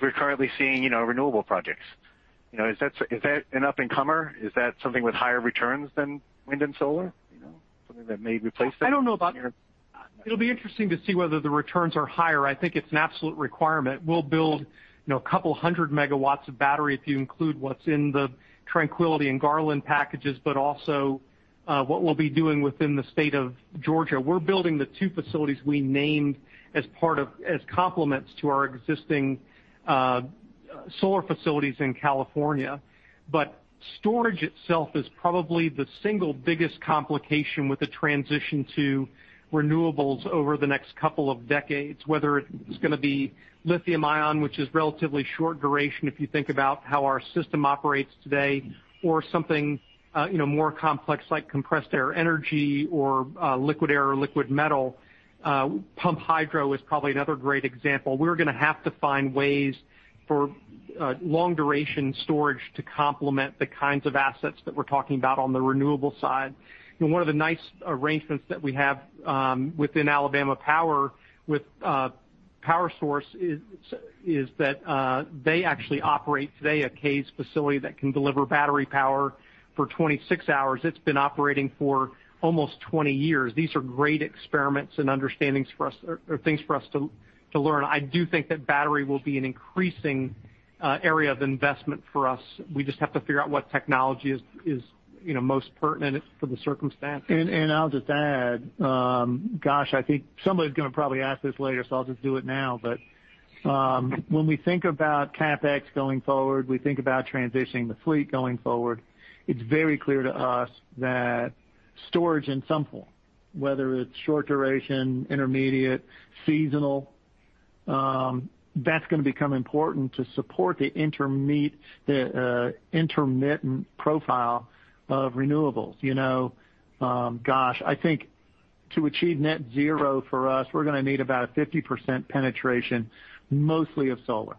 we're currently seeing renewable projects? Is that an up-and-comer? Is that something with higher returns than wind and solar? Something that may replace them here? I don't know about It'll be interesting to see whether the returns are higher. I think it's an absolute requirement. We'll build a couple hundred megawatts of battery if you include what's in the Tranquility and Garland packages, but also what we'll be doing within the state of Georgia. We're building the two facilities we named as complements to our existing solar facilities in California. Storage itself is probably the single biggest complication with the transition to renewables over the next couple of decades, whether it's going to be lithium-ion, which is relatively short duration if you think about how our system operates today, or something more complex like compressed air energy or liquid air or liquid metal. Pumped hydro is probably another great example. We're going to have to find ways for long-duration storage to complement the kinds of assets that we're talking about on the renewable side. One of the nice arrangements that we have within Alabama Power with PowerSouth is that they actually operate today a CAES facility that can deliver battery power for 26 hours. It's been operating for almost 20 years. These are great experiments and understandings or things for us to learn. I do think that battery will be an increasing area of investment for us. We just have to figure out what technology is most pertinent for the circumstance. I'll just add, gosh, I think somebody's going to probably ask this later, so I'll just do it now. When we think about CapEx going forward, we think about transitioning the fleet going forward, it's very clear to us that storage in some form, whether it's short duration, intermediate, seasonal, that's going to become important to support the intermittent profile of renewables. Gosh, I think to achieve net zero for us, we're going to need about a 50% penetration, mostly of solar.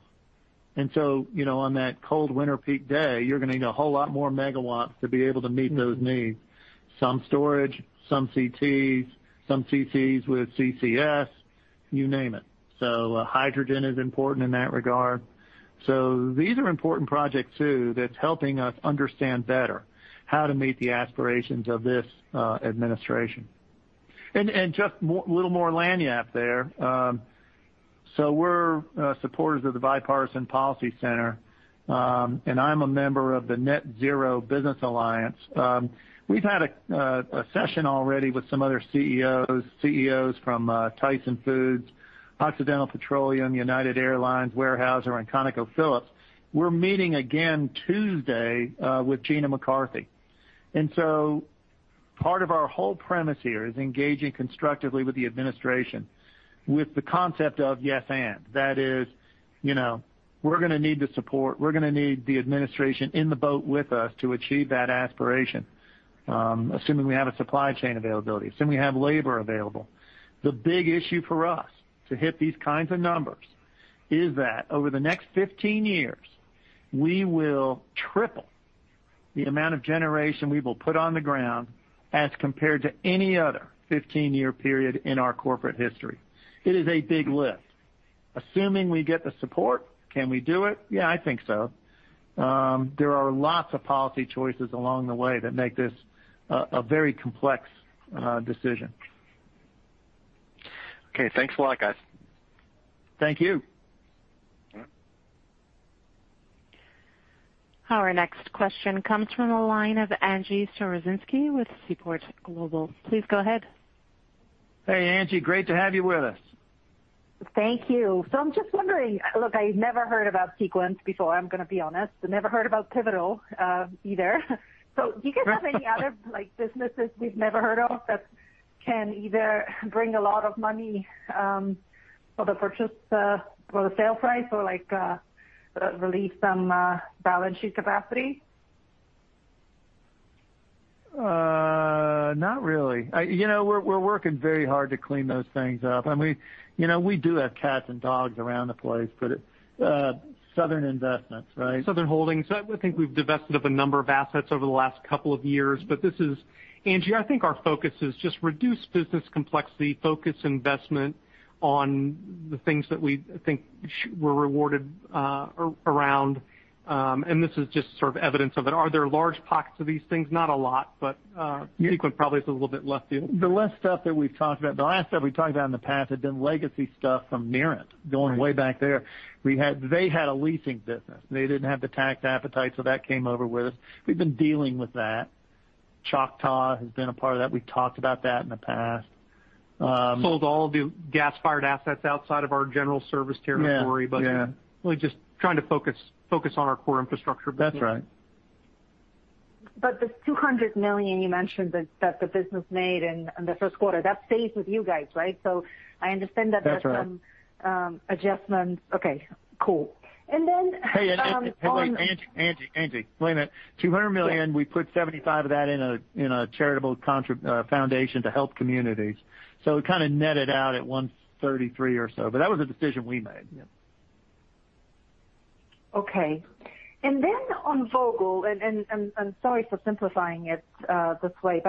On that cold winter peak day, you're going to need a whole lot more megawatts to be able to meet those needs. Some storage, some CTs, some CTs with CCS, you name it. Hydrogen is important in that regard. These are important projects too that's helping us understand better how to meet the aspirations of this Administration. Just a little more lagniappe there. We're supporters of the Bipartisan Policy Center. I'm a member of the Net-Zero Banking Alliance. We've had a session already with some other CEOs from Tyson Foods, Occidental Petroleum, United Airlines, Weyerhaeuser, and ConocoPhillips. We're meeting again Tuesday with Gina McCarthy. Part of our whole premise here is engaging constructively with the administration with the concept of yes, and. That is, we're going to need the support. We're going to need the administration in the boat with us to achieve that aspiration, assuming we have a supply chain availability, assuming we have labor available. The big issue for us to hit these kinds of numbers is that over the next 15 years, we will triple the amount of generation we will put on the ground as compared to any other 15-year period in our corporate history. It is a big lift. Assuming we get the support, can we do it? Yeah, I think so. There are lots of policy choices along the way that make this a very complex decision. Okay, thanks a lot, guys. Thank you. All right. Our next question comes from the line of Angie Storozynski with Seaport Global. Please go ahead. Hey, Angie. Great to have you with us. Thank you. I'm just wondering, look, I've never heard about Sequent before, I'm going to be honest, and never heard about Pivotal either. Do you guys have any other businesses we've never heard of that can either bring a lot of money for the purchase for the sale price or relieve some balance sheet capacity? Not really. We're working very hard to clean those things up. We do have cats and dogs around the place, but Southern Investments, right? Southern Holdings. I think we've divested of a number of assets over the last couple of years. Angie, I think our focus is just reduce business complexity, focus investment on the things that we think we're rewarded around. This is just sort of evidence of it. Are there large pockets of these things? Not a lot, but Sequent probably is a little bit left to. The last stuff we talked about in the past had been legacy stuff from Mirant going way back there. They had a leasing business. They didn't have the tax appetite, so that came over with us. We've been dealing with that. Choctaw has been a part of that. We've talked about that in the past. Sold all of the gas-fired assets outside of our general service territory. Yeah Really just trying to focus on our core infrastructure. That's right. The $200 million you mentioned that the business made in the first quarter, that stays with you guys, right? That's right. There's some adjustments. Okay, cool. Hey, Angie, wait a minute. $200 million, we put $75 of that in a charitable foundation to help communities, so it kind of netted out at $133 or so. That was a decision we made, yeah. Okay. On Vogtle, and I'm sorry for simplifying it this way,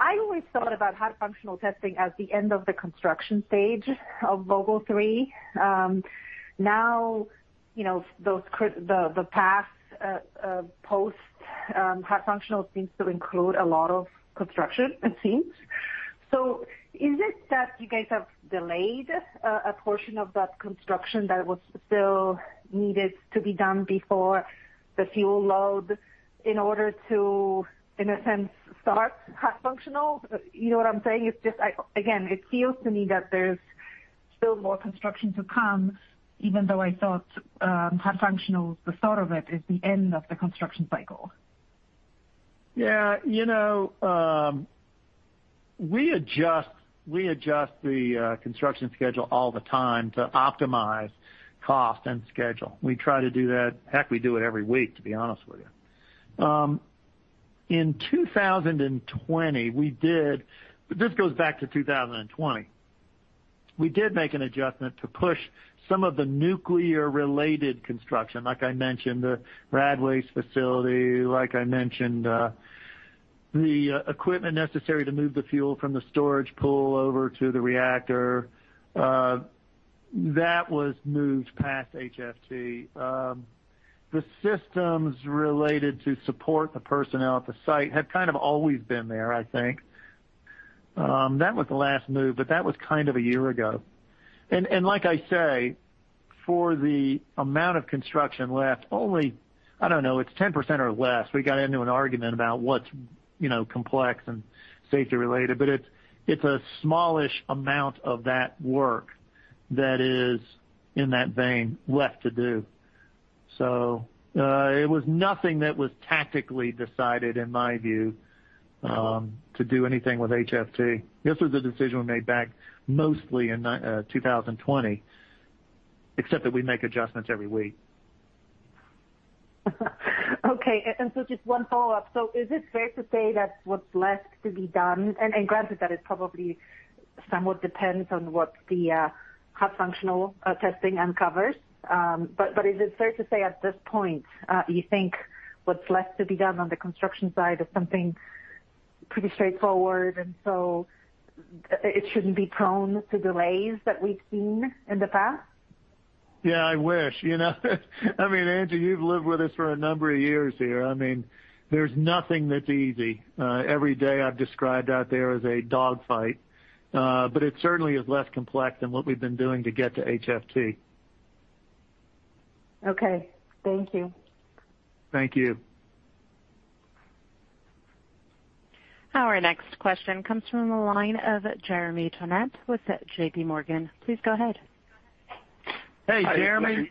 I always thought about hot functional testing as the end of the construction stage of Vogtle 3. The past post hot functional seems to include a lot of construction, it seems. Is it that you guys have delayed a portion of that construction that was still needed to be done before the fuel load in order to, in a sense, start hot functional? You know what I'm saying? It's just, again, it feels to me that there's still more construction to come, even though I thought hot functional, the thought of it, is the end of the construction cycle. Yeah. We adjust the construction schedule all the time to optimize cost and schedule. We try to do that, heck, we do it every week, to be honest with you. In 2020, this goes back to 2020. We did make an adjustment to push some of the nuclear-related construction, like I mentioned, the radioactive waste facility, like I mentioned, the equipment necessary to move the fuel from the storage pool over to the reactor. That was moved past HFT. The systems related to support the personnel at the site have kind of always been there, I think. That was the last move, that was kind of a year ago. Like I say, for the amount of construction left, only, I don't know, it's 10% or less. We got into an argument about what's complex and safety related, but it's a smallish amount of that work that is in that vein left to do. It was nothing that was tactically decided, in my view, to do anything with HFT. This was a decision we made back mostly in 2020, except that we make adjustments every week. Just one follow-up. Is it fair to say that what's left to be done, and granted that it probably somewhat depends on what the hot functional testing uncovers, but is it fair to say at this point, you think what's left to be done on the construction side is something pretty straightforward and so it shouldn't be prone to delays that we've seen in the past? Yeah, I wish. I mean, Angie, you've lived with us for a number of years here. There's nothing that's easy. Every day I've described out there as a dog fight. It certainly is less complex than what we've been doing to get to HFT. Okay. Thank you. Thank you. Our next question comes from the line of Jeremy Tonet with J.P. Morgan. Please go ahead. Hey, Jeremy.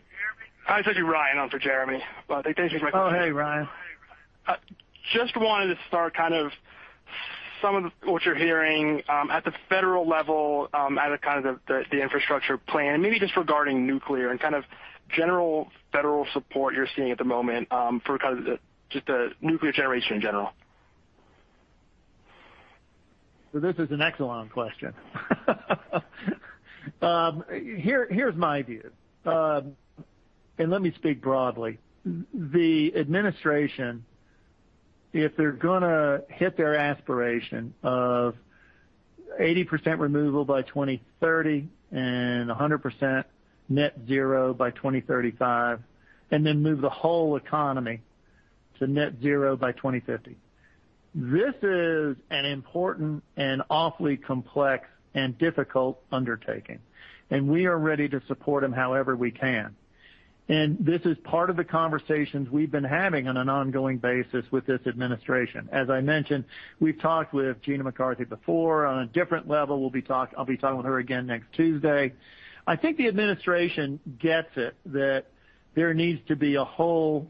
Hi, this is Ryan. I'm for Jeremy. Thank you for taking my question. Oh, hey, Ryan. Just wanted to start kind of some of what you're hearing at the federal level as it comes of the infrastructure plan, maybe just regarding nuclear and kind of general federal support you're seeing at the moment for kind of just the nuclear generation in general. This is an excellent question. Here's my view. Let me speak broadly. The administration, if they're gonna hit their aspiration of 80% removal by 2030 and 100% net zero by 2035, and then move the whole economy to net zero by 2050. This is an important and awfully complex and difficult undertaking, and we are ready to support them however we can. This is part of the conversations we've been having on an ongoing basis with this administration. As I mentioned, we've talked with Gina McCarthy before on a different level. I'll be talking with her again next Tuesday. I think the administration gets it, that there needs to be a whole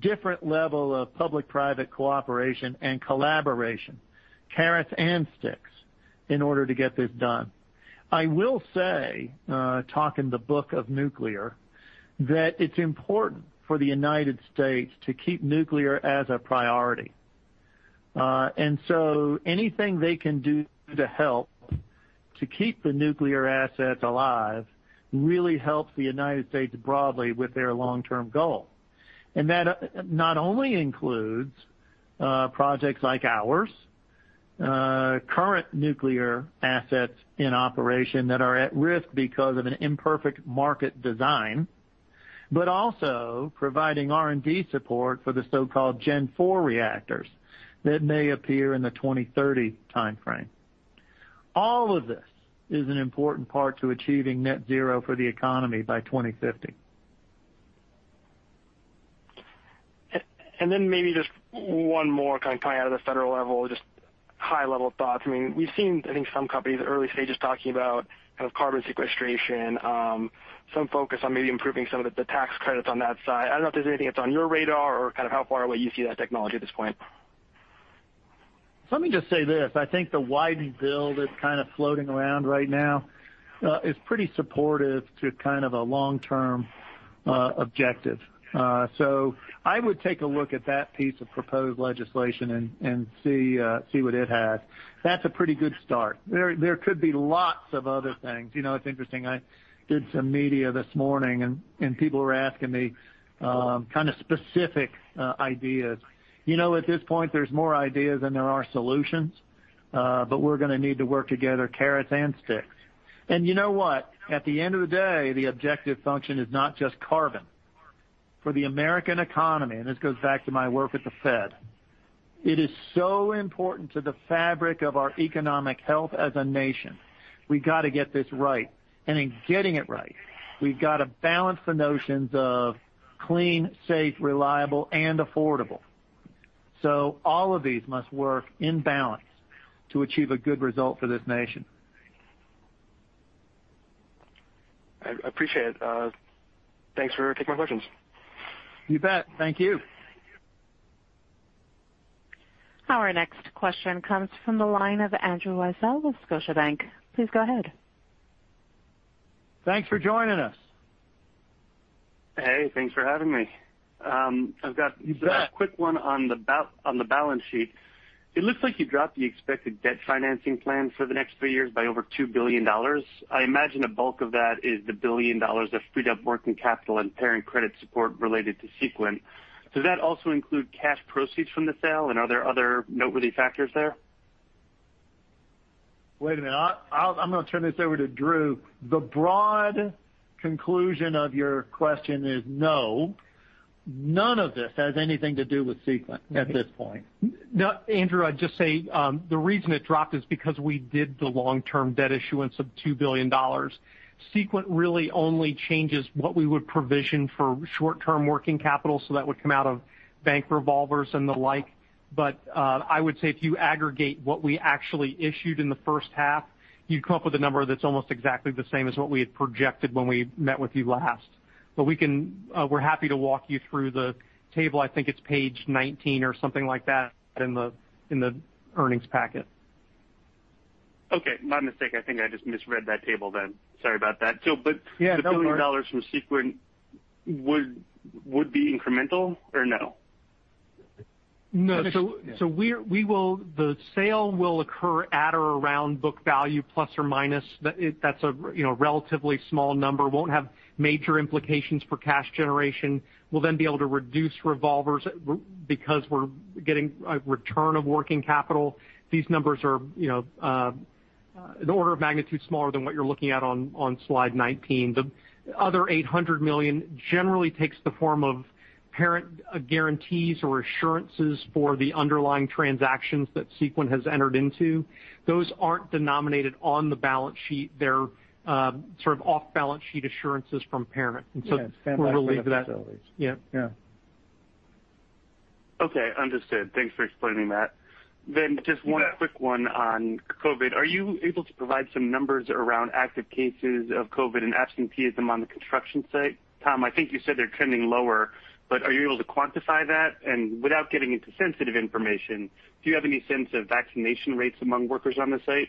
different level of public-private cooperation and collaboration, carrots and sticks, in order to get this done. I will say, talking the book of nuclear, that it is important for the United States to keep nuclear as a priority. Anything they can do to help to keep the nuclear assets alive really helps the United States broadly with their long-term goal. That not only includes projects like ours, current nuclear assets in operation that are at risk because of an imperfect market design, but also providing R&D support for the so-called Gen4 reactors that may appear in the 2030 timeframe. All of this is an important part to achieving net zero for the economy by 2050. Maybe just one more, coming out of the federal level, just high-level thoughts. We've seen, I think, some companies early stages talking about kind of carbon sequestration, some focus on maybe improving some of the tax credits on that side. I don't know if there's anything that's on your radar or how far away you see that technology at this point. Let me just say this. I think the Wyden bill that's kind of floating around right now is pretty supportive to kind of a long-term objective. I would take a look at that piece of proposed legislation and see what it has. That's a pretty good start. There could be lots of other things. It's interesting, I did some media this morning, and people were asking me kind of specific ideas. At this point, there's more ideas than there are solutions. We're going to need to work together, carrots and sticks. You know what? At the end of the day, the objective function is not just carbon. For the American economy, and this goes back to my work at the fed, it is so important to the fabric of our economic health as a nation. We got to get this right. In getting it right, we've got to balance the notions of clean, safe, reliable, and affordable. All of these must work in balance to achieve a good result for this nation. I appreciate it. Thanks for taking my questions. You bet. Thank you. Our next question comes from the line of Andrew Weisel with Scotiabank. Please go ahead. Thanks for joining us. Hey, thanks for having me. You bet. I've got a quick one on the balance sheet. It looks like you dropped the expected debt financing plan for the next three years by over $2 billion. I imagine a bulk of that is the $1 billion of freed-up working capital and parent credit support related to Sequent. Does that also include cash proceeds from the sale, and are there other noteworthy factors there? Wait a minute. I'm going to turn this over to Drew. The broad conclusion of your question is no, none of this has anything to do with Sequent at this point. No, Andrew, I'd just say, the reason it dropped is because we did the long-term debt issuance of $2 billion. Sequent really only changes what we would provision for short-term working capital, so that would come out of bank revolvers and the like. I would say if you aggregate what we actually issued in the first half, you'd come up with a number that's almost exactly the same as what we had projected when we met with you last. We're happy to walk you through the table. I think it's page 19 or something like that in the earnings packet. Okay. My mistake. I think I just misread that table then. Sorry about that. Yeah, no worries. The $1 billion from Sequent would be incremental or no? No. No. The sale will occur at or around book value, plus or minus. That's a relatively small number. Won't have major implications for cash generation. We'll be able to reduce revolvers because we're getting a return of working capital. These numbers are an order of magnitude smaller than what you're looking at on slide 19. The other $800 million generally takes the form of parent guarantees or assurances for the underlying transactions that Sequent has entered into. Those aren't denominated on the balance sheet. They're sort of off-balance sheet assurances from parent. We'll leave at that. Yeah, it's standby letters of facilities. Yeah. Yeah. Okay. Understood. Thanks for explaining that. You bet. Just one quick one on COVID. Are you able to provide some numbers around active cases of COVID and absenteeism on the construction site? Tom, I think you said they're trending lower, are you able to quantify that? Without getting into sensitive information, do you have any sense of vaccination rates among workers on the site?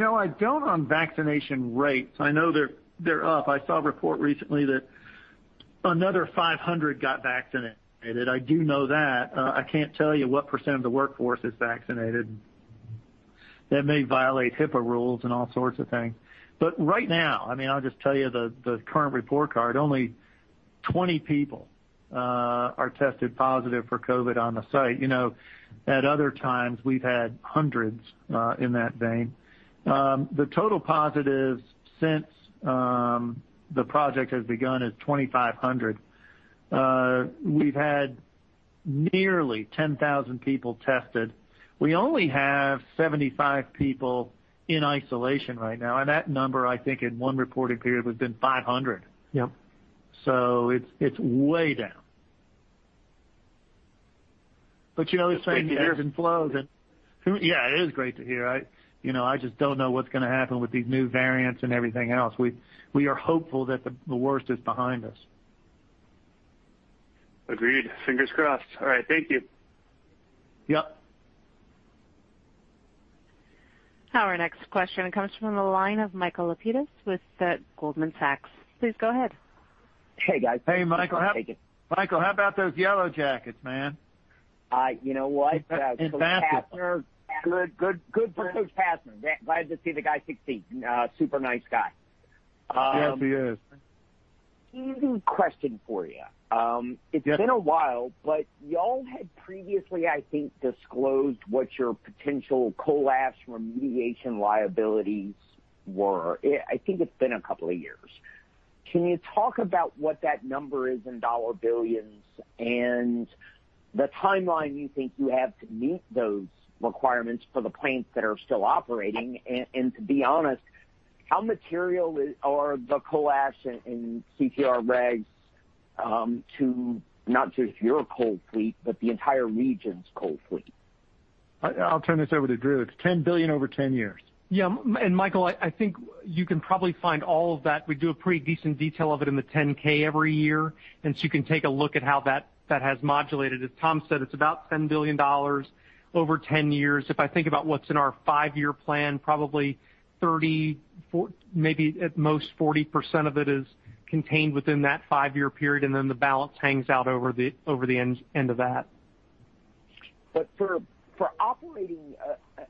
I don't on vaccination rates. I know they're up. I saw a report recently that another 500 got vaccinated. I do know that. I can't tell you what % of the workforce is vaccinated. That may violate HIPAA rules and all sorts of things. Right now, I'll just tell you the current report card, only 20 people are tested positive for COVID on the site. At other times, we've had hundreds in that vein. The total positives since the project has begun is 2,500. We've had nearly 10,000 people tested. We only have 75 people in isolation right now, and that number, I think in one reporting period, was then 500. Yep. It's way down. You know. That's great to hear. That ebbs and flows. Yeah, it is great to hear. I just don't know what's going to happen with these new variants and everything else. We are hopeful that the worst is behind us. Agreed. Fingers crossed. All right. Thank you. Yep. Our next question comes from the line of Michael Lapides with Goldman Sachs. Please go ahead. Hey, guys. Hey, Michael. How are you doing? Michael, how about those yellow jackets, man? You know what? Pastner. Good for Josh Pastner. Glad to see the guy succeed. Super nice guy. Yes, he is. Easy question for you. Yep. It's been a while, you all had previously, I think, disclosed what your potential coal ash remediation liabilities were. I think it's been a couple of years. Can you talk about what that number is in $ billions, The timeline you think you have to meet those requirements for the plants that are still operating, to be honest, how material are the coal ash and CCR regs, to not just your coal fleet, but the entire region's coal fleet? I'll turn this over to Drew. It's $10 billion over 10 years. Yeah, Michael, I think you can probably find all of that. We do a pretty decent detail of it in the 10-K every year, so you can take a look at how that has modulated. As Tom said, it's about $10 billion over 10 years. If I think about what's in our five-year plan, probably 30, maybe at most 40% of it is contained within that five-year period, then the balance hangs out over the end of that. For operating,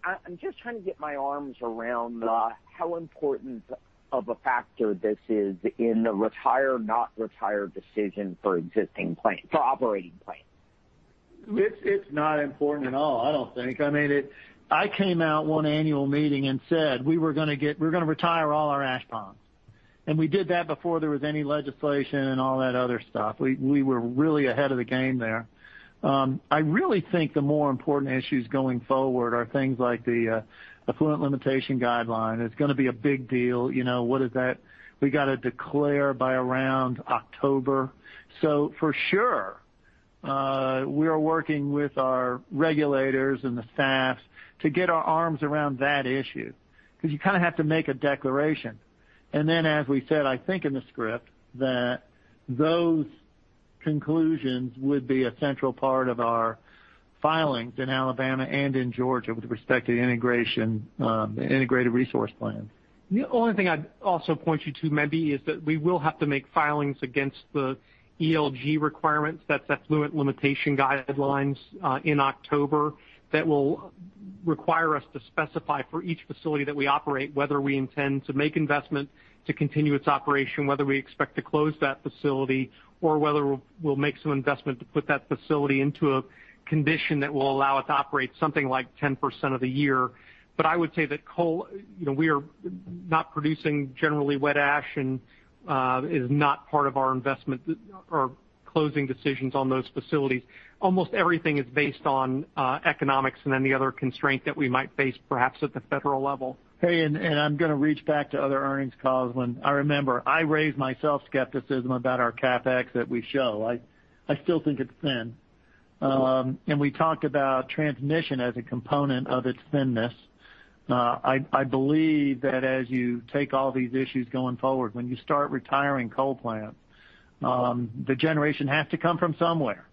I'm just trying to get my arms around how important of a factor this is in the retire, not retire decision for existing plants, for operating plants. It's not important at all, I don't think. I came out one annual meeting and said we're going to retire all our ash ponds. We did that before there was any legislation and all that other stuff. We were really ahead of the game there. I really think the more important issues going forward are things like the Effluent Limitation Guidelines. It's going to be a big deal. What is that? We got to declare by around October. For sure, we are working with our regulators and the staffs to get our arms around that issue because you kind of have to make a declaration. Then, as we said, I think in the script, that those conclusions would be a central part of our filings in Alabama and in Georgia with respect to the integrated resource plan. The only thing I'd also point you to maybe is that we will have to make filings against the ELG requirements. That's Effluent Limitation Guidelines in October that will require us to specify for each facility that we operate, whether we intend to make investment to continue its operation, whether we expect to close that facility, or whether we'll make some investment to put that facility into a condition that will allow it to operate something like 10% of the year. I would say that coal, we are not producing generally wet ash and is not part of our investment or closing decisions on those facilities. Almost everything is based on economics and any other constraint that we might face, perhaps at the federal level. Hey. I'm going to reach back to other earnings calls when I remember I raised myself skepticism about our CapEx that we show. I still think it's thin. Sure. We talked about transmission as a component of its thinness. I believe that as you take all these issues going forward, when you start retiring coal plants, the generation has to come from somewhere.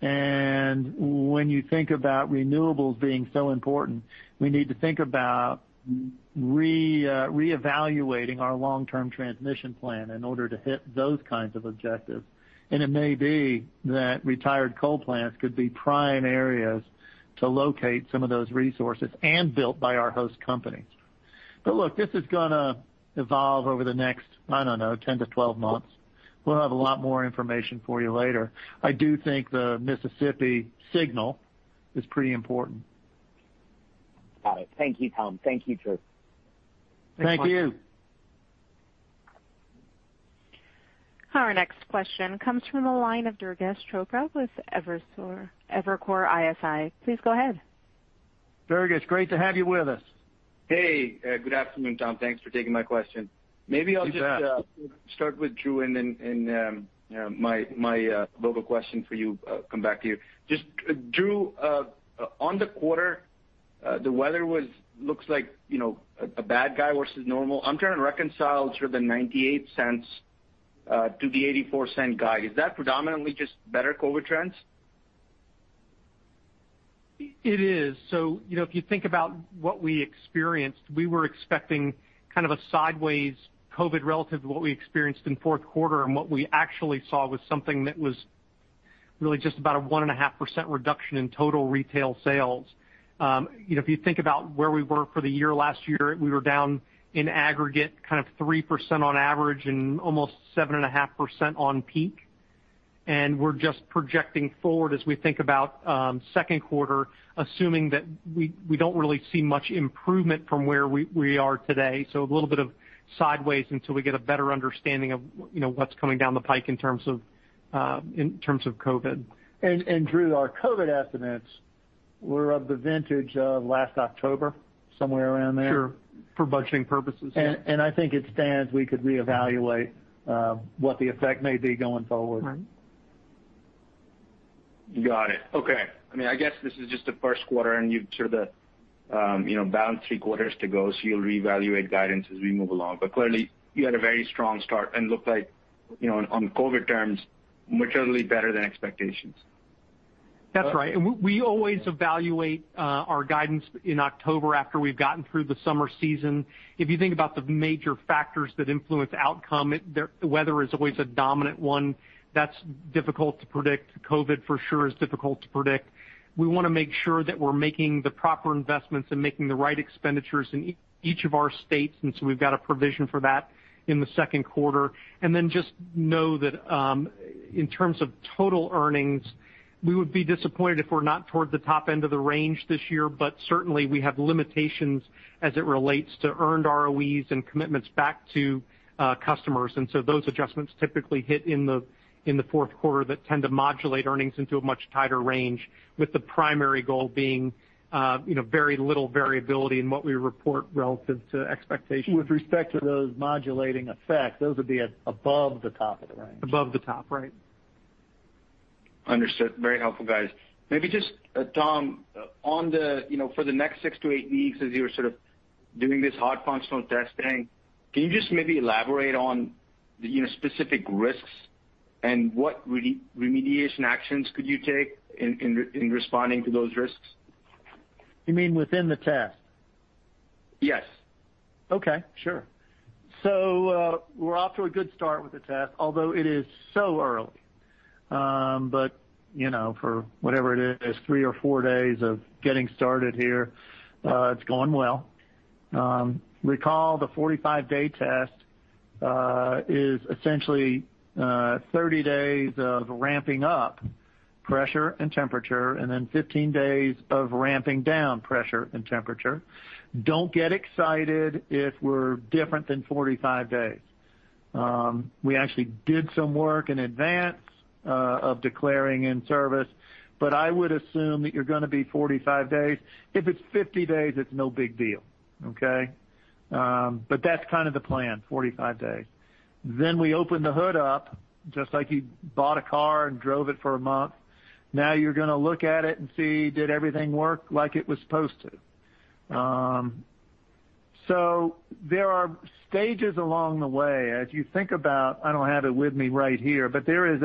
When you think about renewables being so important, we need to think about reevaluating our long-term transmission plan in order to hit those kinds of objectives. It may be that retired coal plants could be prime areas to locate some of those resources and built by our host company. Look, this is going to evolve over the next, I don't know, 10 months-12 months. We'll have a lot more information for you later. I do think the Mississippi signal is pretty important. Got it. Thank you, Tom. Thank you, Drew. Thank you. Thank you. Our next question comes from the line of Durgesh Chopra with Evercore ISI. Please go ahead. Durgesh, great to have you with us. Hey, good afternoon, Tom. Thanks for taking my question. You bet. Maybe I'll just start with Drew, and then my follow-up question for you, come back to you. Just Drew, on the quarter, the weather looks like a bad guy versus normal. I'm trying to reconcile sort of the $0.98 to the $0.84 guide. Is that predominantly just better COVID-19 trends? It is. If you think about what we experienced, we were expecting kind of a sideways COVID relative to what we experienced in fourth quarter. What we actually saw was something that was really just about a 1.5% reduction in total retail sales. If you think about where we were for the year last year, we were down in aggregate kind of 3% on average and almost 7.5% on peak. We're just projecting forward as we think about second quarter, assuming that we don't really see much improvement from where we are today. A little bit of sideways until we get a better understanding of what's coming down the pike in terms of COVID. Andrew Evans, our COVID estimates were of the vintage of last October, somewhere around there. Sure. For budgeting purposes, yeah. I think it stands we could reevaluate what the effect may be going forward. Right. Got it. Okay. I guess this is just the first quarter, and you've sort of bound three quarters to go, so you'll reevaluate guidance as we move along. Clearly, you had a very strong start and looked like on COVID terms, materially better than expectations. That's right. We always evaluate our guidance in October after we've gotten through the summer season. If you think about the major factors that influence outcome, weather is always a dominant one. That's difficult to predict. COVID for sure is difficult to predict. We want to make sure that we're making the proper investments and making the right expenditures in each of our states, and so we've got a provision for that in the second quarter. Then just know that in terms of total earnings, we would be disappointed if we're not toward the top end of the range this year. Certainly, we have limitations as it relates to earned ROEs and commitments back to customers. Those adjustments typically hit in the fourth quarter that tend to modulate earnings into a much tighter range with the primary goal being very little variability in what we report relative to expectations. With respect to those modulating effects, those would be above the top of the range. Above the top, right. Understood. Very helpful, guys. Maybe just, Tom, for the next six to eight weeks as you're sort of doing this hot functional testing, can you just maybe elaborate on the specific risks and what remediation actions could you take in responding to those risks? You mean within the test? Yes. Okay, sure. We're off to a good start with the test, although it is so early. For whatever it is, three or four days of getting started here, it's going well. Recall, the 45-day test is essentially 30 days of ramping up pressure and temperature, and then 15 days of ramping down pressure and temperature. Don't get excited if we're different than 45 days. We actually did some work in advance of declaring in service, but I would assume that you're going to be 45 days. If it's 50 days, it's no big deal. Okay? That's kind of the plan, 45 days. We open the hood up, just like you bought a car and drove it for a month. Now you're going to look at it and see, did everything work like it was supposed to? There are stages along the way. I don't have it with me right here, but there is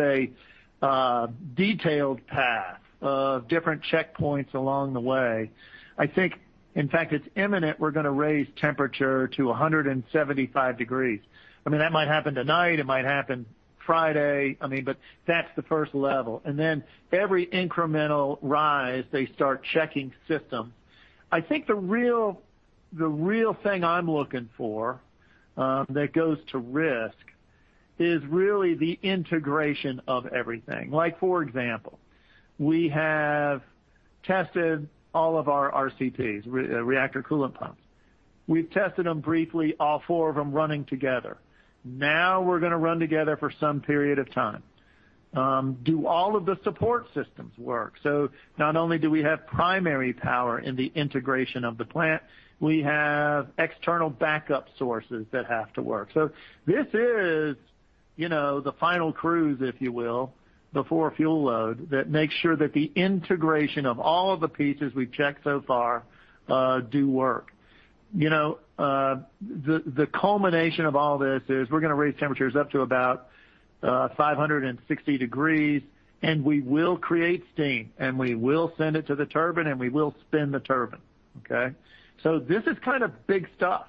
a detailed path of different checkpoints along the way. I think, in fact, it's imminent, we're going to raise temperature to 175 degrees. I mean, that might happen tonight, it might happen Friday. I mean, that's the first level. Every incremental rise, they start checking systems. I think the real thing I'm looking for that goes to risk is really the integration of everything. Like for example, we have tested all of our RCPs, reactor coolant pumps. We've tested them briefly, all four of them running together. Now we're going to run together for some period of time. Do all of the support systems work? Not only do we have primary power in the integration of the plant, we have external backup sources that have to work. This is the final cruise, if you will, before fuel load that makes sure that the integration of all of the pieces we've checked so far do work. The culmination of all this is we're going to raise temperatures up to about 560 degrees, and we will create steam, and we will send it to the turbine, and we will spin the turbine. Okay. This is kind of big stuff.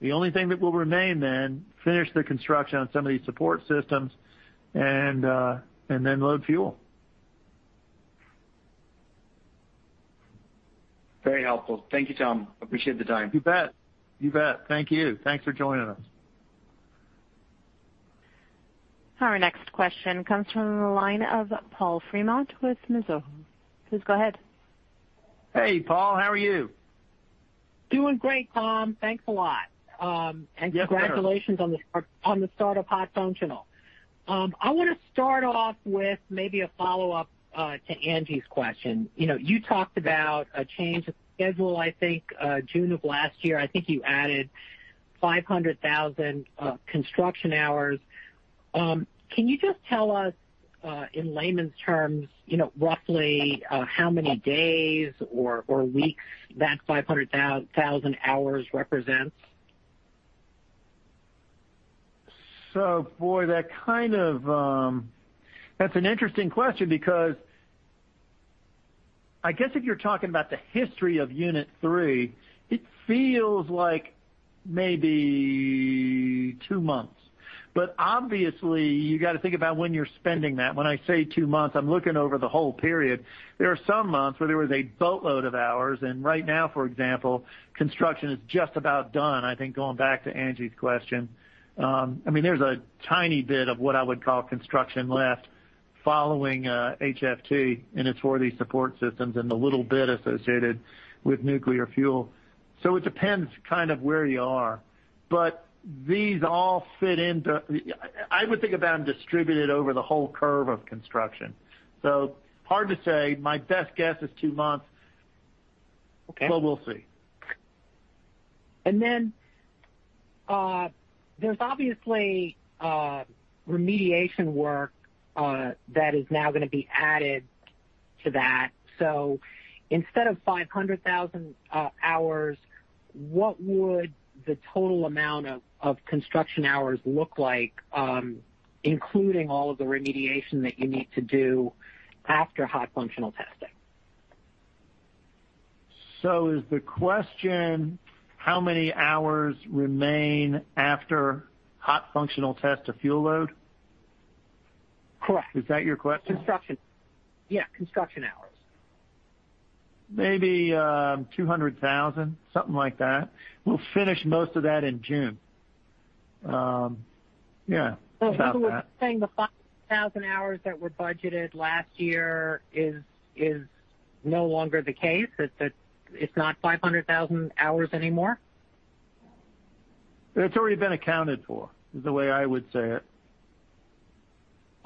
The only thing that will remain then, finish the construction on some of these support systems and then load fuel. Very helpful. Thank you, Tom. Appreciate the time. You bet. Thank you. Thanks for joining us. Our next question comes from the line of Paul Fremont with Mizuho. Please go ahead. Hey, Paul, how are you? Doing great, Tom. Thanks a lot. Yes, Paul. Congratulations on the start of hot functional. I want to start off with maybe a follow-up to Angie's question. You talked about a change of schedule, I think, June of last year. I think you added 500,000 construction hours. Can you just tell us, in layman's terms, roughly how many days or weeks that 500,000 hours represents? Boy, that's an interesting question because I guess if you're talking about the history of Unit 3, it feels like maybe two months. Obviously, you got to think about when you're spending that. When I say two months, I'm looking over the whole period. There are some months where there was a boatload of hours, and right now, for example, construction is just about done, I think, going back to Angie's question. I mean, there's a tiny bit of what I would call construction left following HFT, and it's for these support systems and the little bit associated with nuclear fuel. It depends kind of where you are. These all fit into, I would think about them distributed over the whole curve of construction. Hard to say. My best guess is two months. Okay. We'll see. There's obviously remediation work that is now going to be added to that. Instead of 500,000 hours, what would the total amount of construction hours look like, including all of the remediation that you need to do after hot functional testing? Is the question how many hours remain after hot functional test to fuel load? Correct. Is that your question? Construction. Yeah, construction hours. Maybe 200,000, something like that. We'll finish most of that in June. Yeah, about that. People were saying the 500,000 hours that were budgeted last year is no longer the case? It's not 500,000 hours anymore? It's already been accounted for, is the way I would say it.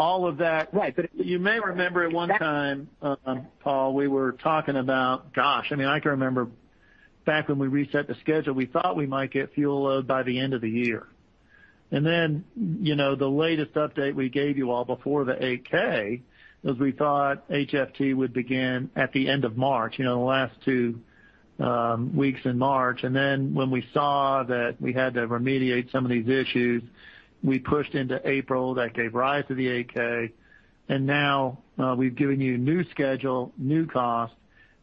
Right. You may remember at one time, Paul Fremont, we were talking about, I mean, I can remember back when we reset the schedule, we thought we might get fuel load by the end of the year. The latest update we gave you all before the 8-K was we thought HFT would begin at the end of March, the last two weeks in March. When we saw that we had to remediate some of these issues, we pushed into April. That gave rise to the 8-K. Now we've given you a new schedule, new costs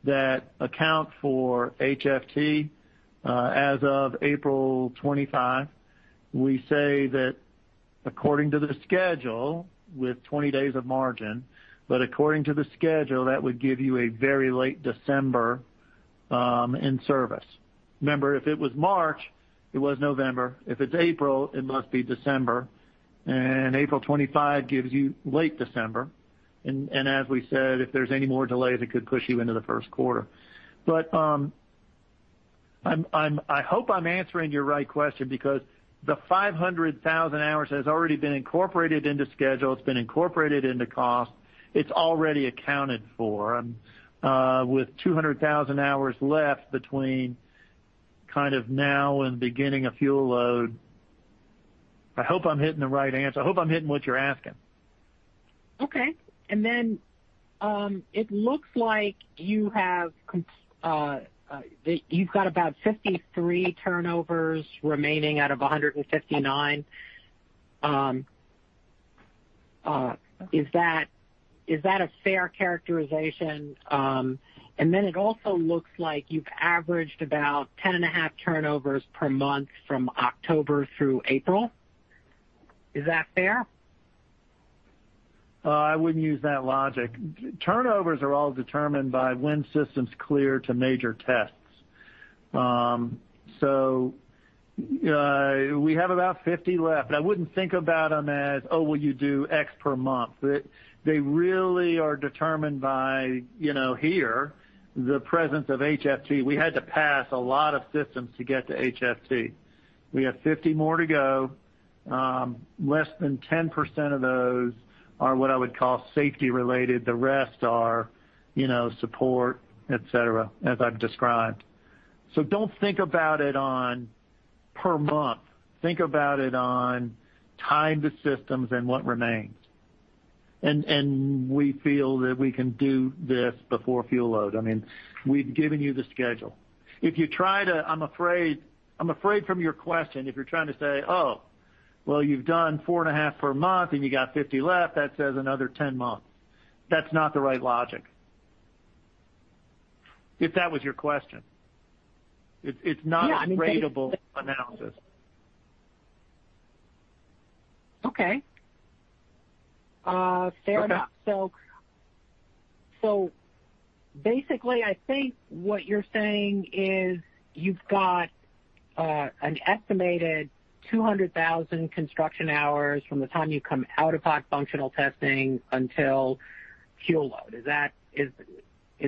that account for HFT as of April 25. We say that according to the schedule, with 20 days of margin, according to the schedule, that would give you a very late December in service. Remember, if it was March, it was November. If it's April, it must be December, April 25 gives you late December. As we said, if there's any more delays, it could push you into the first quarter. I hope I'm answering your right question because the 500,000 hours has already been incorporated into schedule. It's been incorporated into cost. It's already accounted for. With 200,000 hours left between kind of now and beginning of fuel load, I hope I'm hitting the right answer. I hope I'm hitting what you're asking. Okay. It looks like you've got about 53 turnovers remaining out of 159. Is that a fair characterization? It also looks like you've averaged about 10.5 turnovers per month from October through April. Is that fair? I wouldn't use that logic. Turnovers are all determined by when systems clear to major tests. We have about 50 left. I wouldn't think about them as, you do X per month. They really are determined by here, the presence of HFT. We had to pass a lot of systems to get to HFT. We have 50 more to go. Less than 10% of those are what I would call safety related. The rest are support, et cetera, as I've described. Don't think about it on per month. Think about it on time to systems and what remains. We feel that we can do this before fuel load. We've given you the schedule. I'm afraid from your question, if you're trying to say, you've done four and a half per month and you got 50 left. That says another 10 months. That's not the right logic. If that was your question. It's not a ratable analysis. Okay. Fair enough. Okay. Basically, I think what you're saying is you've got an estimated 200,000 construction hours from the time you come out of hot functional testing until fuel load. Is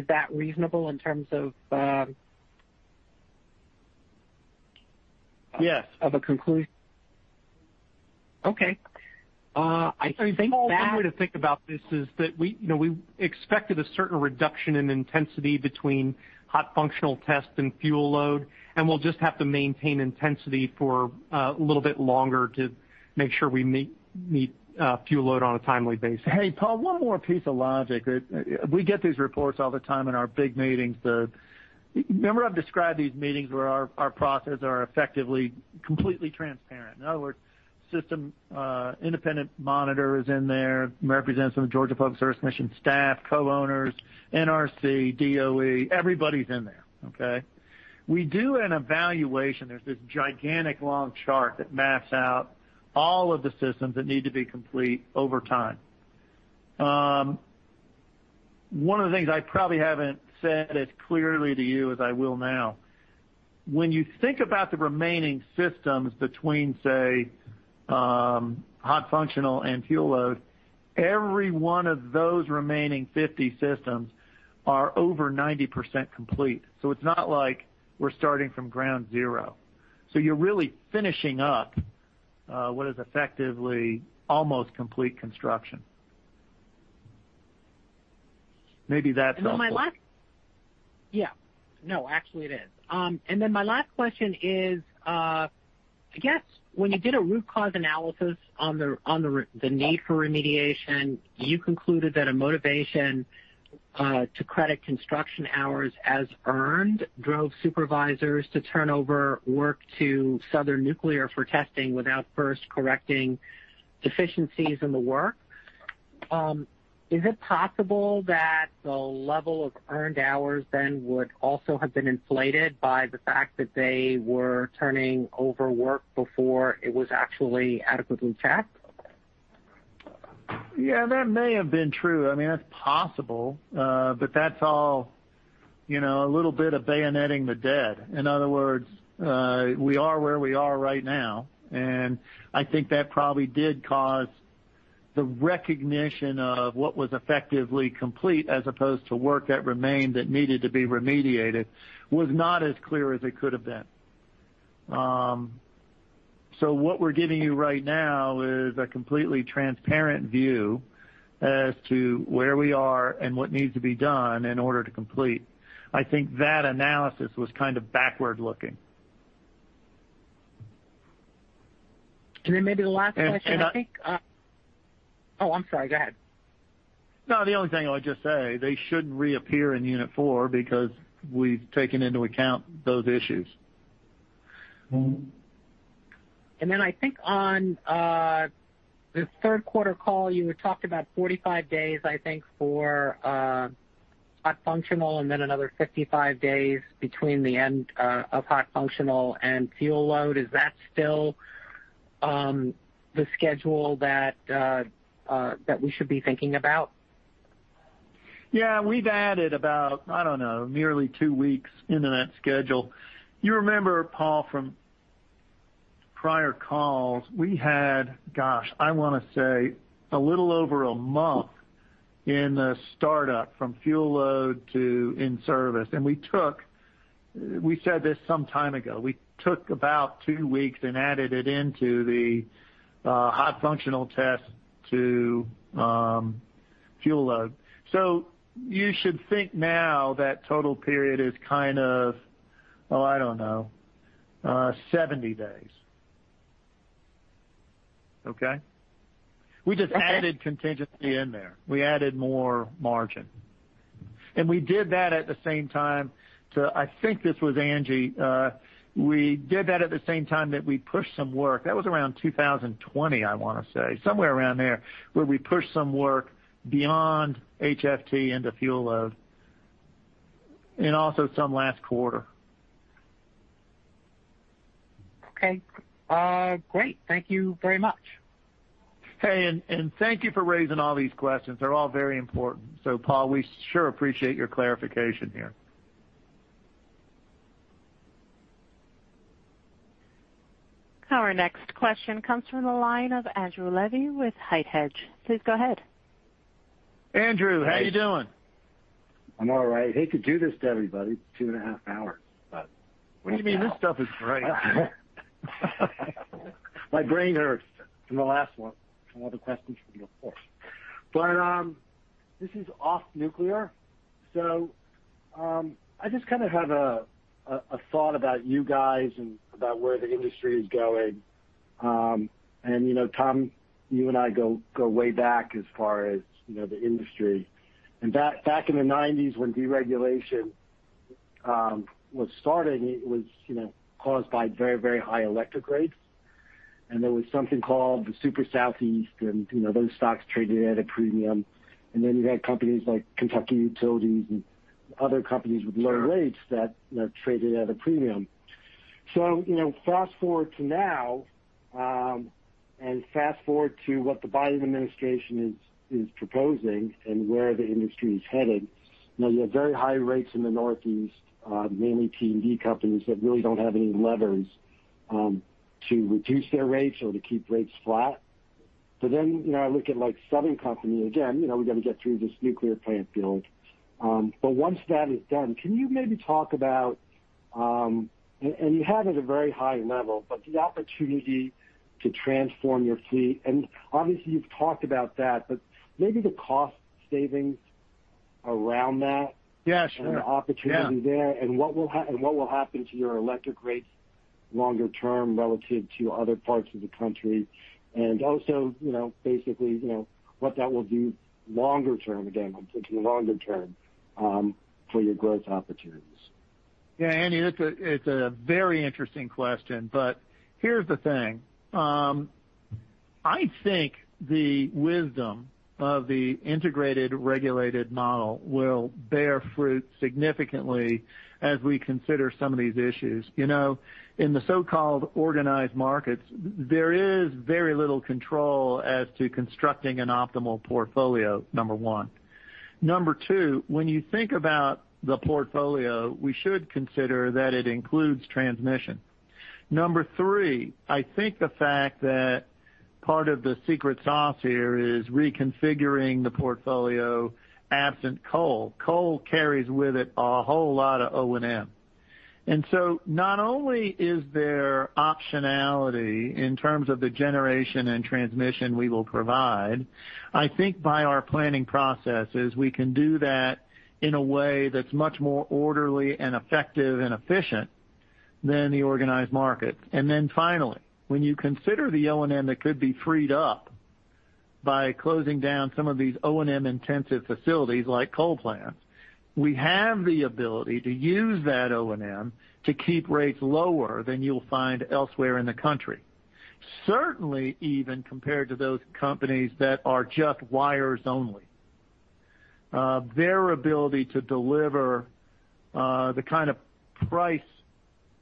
that reasonable in terms of? Yes. Of a conclusion. Okay. I think. I think Paul, one way to think about this is that we expected a certain reduction in intensity between hot functional test and fuel load, and we'll just have to maintain intensity for a little bit longer to make sure we meet fuel load on a timely basis. Hey, Paul Fremont, one more piece of logic. We get these reports all the time in our big meetings. Remember I've described these meetings where our processes are effectively completely transparent. In other words, independent construction monitor is in there, represents some of Georgia Public Service Commission staff, co-owners, NRC, DOE, everybody's in there. Okay. We do an evaluation. There's this gigantic long chart that maps out all of the systems that need to be complete over time. One of the things I probably haven't said as clearly to you as I will now, when you think about the remaining systems between, say, hot functional and fuel load, every one of those remaining 50 systems are over 90% complete. It's not like we're starting from ground zero. You're really finishing up what is effectively almost complete construction. Maybe that's helpful. Yeah. No, actually it is. My last question is, I guess when you did a root cause analysis on the need for remediation, you concluded that a motivation to credit construction hours as earned drove supervisors to turn over work to Southern Nuclear for testing without first correcting deficiencies in the work. Is it possible that the level of earned hours then would also have been inflated by the fact that they were turning over work before it was actually adequately checked? Yeah, that may have been true. That's possible. That's all a little bit of bayoneting the dead. In other words, we are where we are right now, and I think that probably did cause the recognition of what was effectively complete as opposed to work that remained, that needed to be remediated, was not as clear as it could have been. What we're giving you right now is a completely transparent view as to where we are and what needs to be done in order to complete. I think that analysis was kind of backward looking. Then maybe the last question, Oh, I'm sorry. Go ahead. No, the only thing I would just say, they shouldn't reappear in Unit 4 because we've taken into account those issues. I think on the third quarter call, you had talked about 45 days, I think, for hot functional and then another 55 days between the end of hot functional and fuel load. Is that still the schedule that we should be thinking about? We've added about, I don't know, nearly two weeks into that schedule. You remember, Paul, from prior calls, we had, gosh, I want to say a little over a month in the startup from fuel load to in-service. We said this some time ago. We took about two weeks and added it into the hot functional test to fuel load. You should think now that total period is kind of, oh, I don't know, 70 days. Okay? Okay. We just added contingency in there. We added more margin. We did that at the same time I think this was Angie. We did that at the same time that we pushed some work. That was around 2020, I want to say, somewhere around there, where we pushed some work beyond HFT into fuel load, and also some last quarter. Okay. Great. Thank you very much. Hey, thank you for raising all these questions. They're all very important. Paul, we sure appreciate your clarification here. Our next question comes from the line of Andrew Levi with HITE Hedge Please go ahead. Andrew, how you doing? I'm all right. I hate to do this to everybody two and a half hours. What do you mean? This stuff is great. My brain hurts from the last one. Some other questions from me, of course. This is off nuclear. I just kind of have a thought about you guys and about where the industry is going. Tom, you and I go way back as far as the industry. Back in the 1990s when deregulation was starting, it was caused by very high electric rates, and there was something called the Super Southeast and those stocks traded at a premium. You had companies like Kentucky Utilities and other companies with low rates that traded at a premium. Fast-forward to now and fast-forward to what the Biden administration is proposing and where the industry is headed. You have very high rates in the Northeast, mainly T&D companies that really don't have any levers to reduce their rates or to keep rates flat. I look at Southern Company, again we've got to get through this nuclear plant build. Once that is done, can you maybe talk about, and you have at a very high level, but the opportunity to transform your fleet, and obviously you've talked about that, but maybe the cost savings around that? Yeah, sure. The opportunity there and what will happen to your electric rates longer term relative to other parts of the country. Also, basically, what that will do longer term, again, I'm thinking longer term for your growth opportunities. Andy, it's a very interesting question. Here's the thing. I think the wisdom of the integrated regulated model will bear fruit significantly as we consider some of these issues. In the so-called organized markets, there is very little control as to constructing an optimal portfolio, number one. Number two, when you think about the portfolio, we should consider that it includes transmission. Number three, I think the fact that part of the secret sauce here is reconfiguring the portfolio absent coal. Coal carries with it a whole lot of O&M. Not only is there optionality in terms of the generation and transmission we will provide, I think by our planning processes, we can do that in a way that's much more orderly and effective and efficient than the organized market. Finally, when you consider the O&M that could be freed up by closing down some of these O&M-intensive facilities like coal plants, we have the ability to use that O&M to keep rates lower than you'll find elsewhere in the country. Certainly, even compared to those companies that are just wires only. Their ability to deliver the kind of price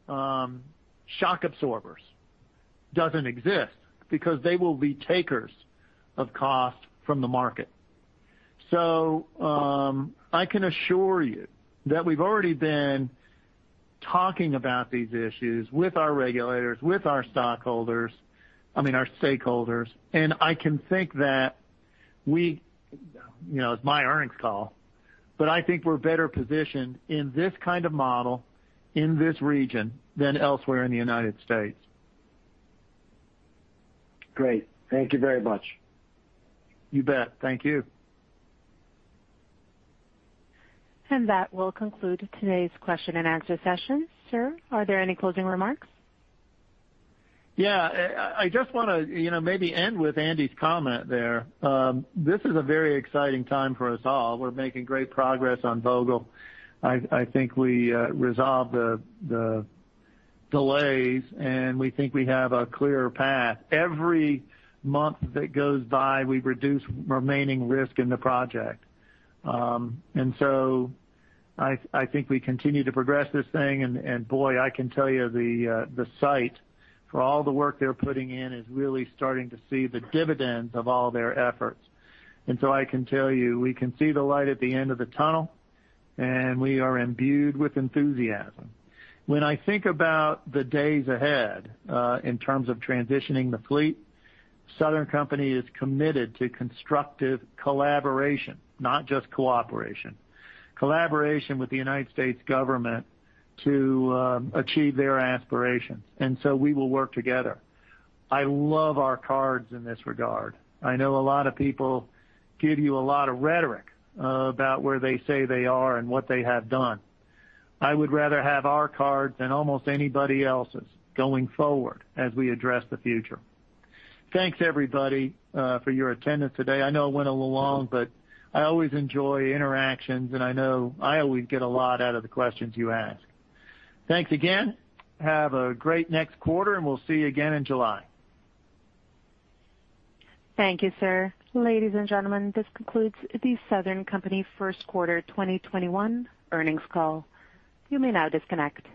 shock absorbers doesn't exist because they will be takers of cost from the market. I can assure you that we've already been talking about these issues with our regulators, with our stockholders, and I can think that it's my earnings call, but I think we're better positioned in this kind of model in this region than elsewhere in the United States. Great. Thank you very much. You bet. Thank you. That will conclude today's question and answer session. Sir, are there any closing remarks? I just want to maybe end with Andy's comment there. This is a very exciting time for us all. We're making great progress on Vogtle. I think we resolved the delays, and we think we have a clear path. Every month that goes by, we reduce remaining risk in the project. I think we continue to progress this thing, and boy, I can tell you the site for all the work they're putting in is really starting to see the dividends of all their efforts. I can tell you, we can see the light at the end of the tunnel, and we are imbued with enthusiasm. When I think about the days ahead in terms of transitioning the fleet, Southern Company is committed to constructive collaboration, not just cooperation. Collaboration with the United States Government to achieve their aspirations. We will work together. I love our cards in this regard. I know a lot of people give you a lot of rhetoric about where they say they are and what they have done. I would rather have our cards than almost anybody else's going forward as we address the future. Thanks everybody for your attendance today. I know it went a little long, but I always enjoy interactions, and I know I always get a lot out of the questions you ask. Thanks again. Have a great next quarter, and we'll see you again in July. Thank you, sir. Ladies and gentlemen, this concludes the Southern Company first quarter 2021 earnings call. You may now disconnect.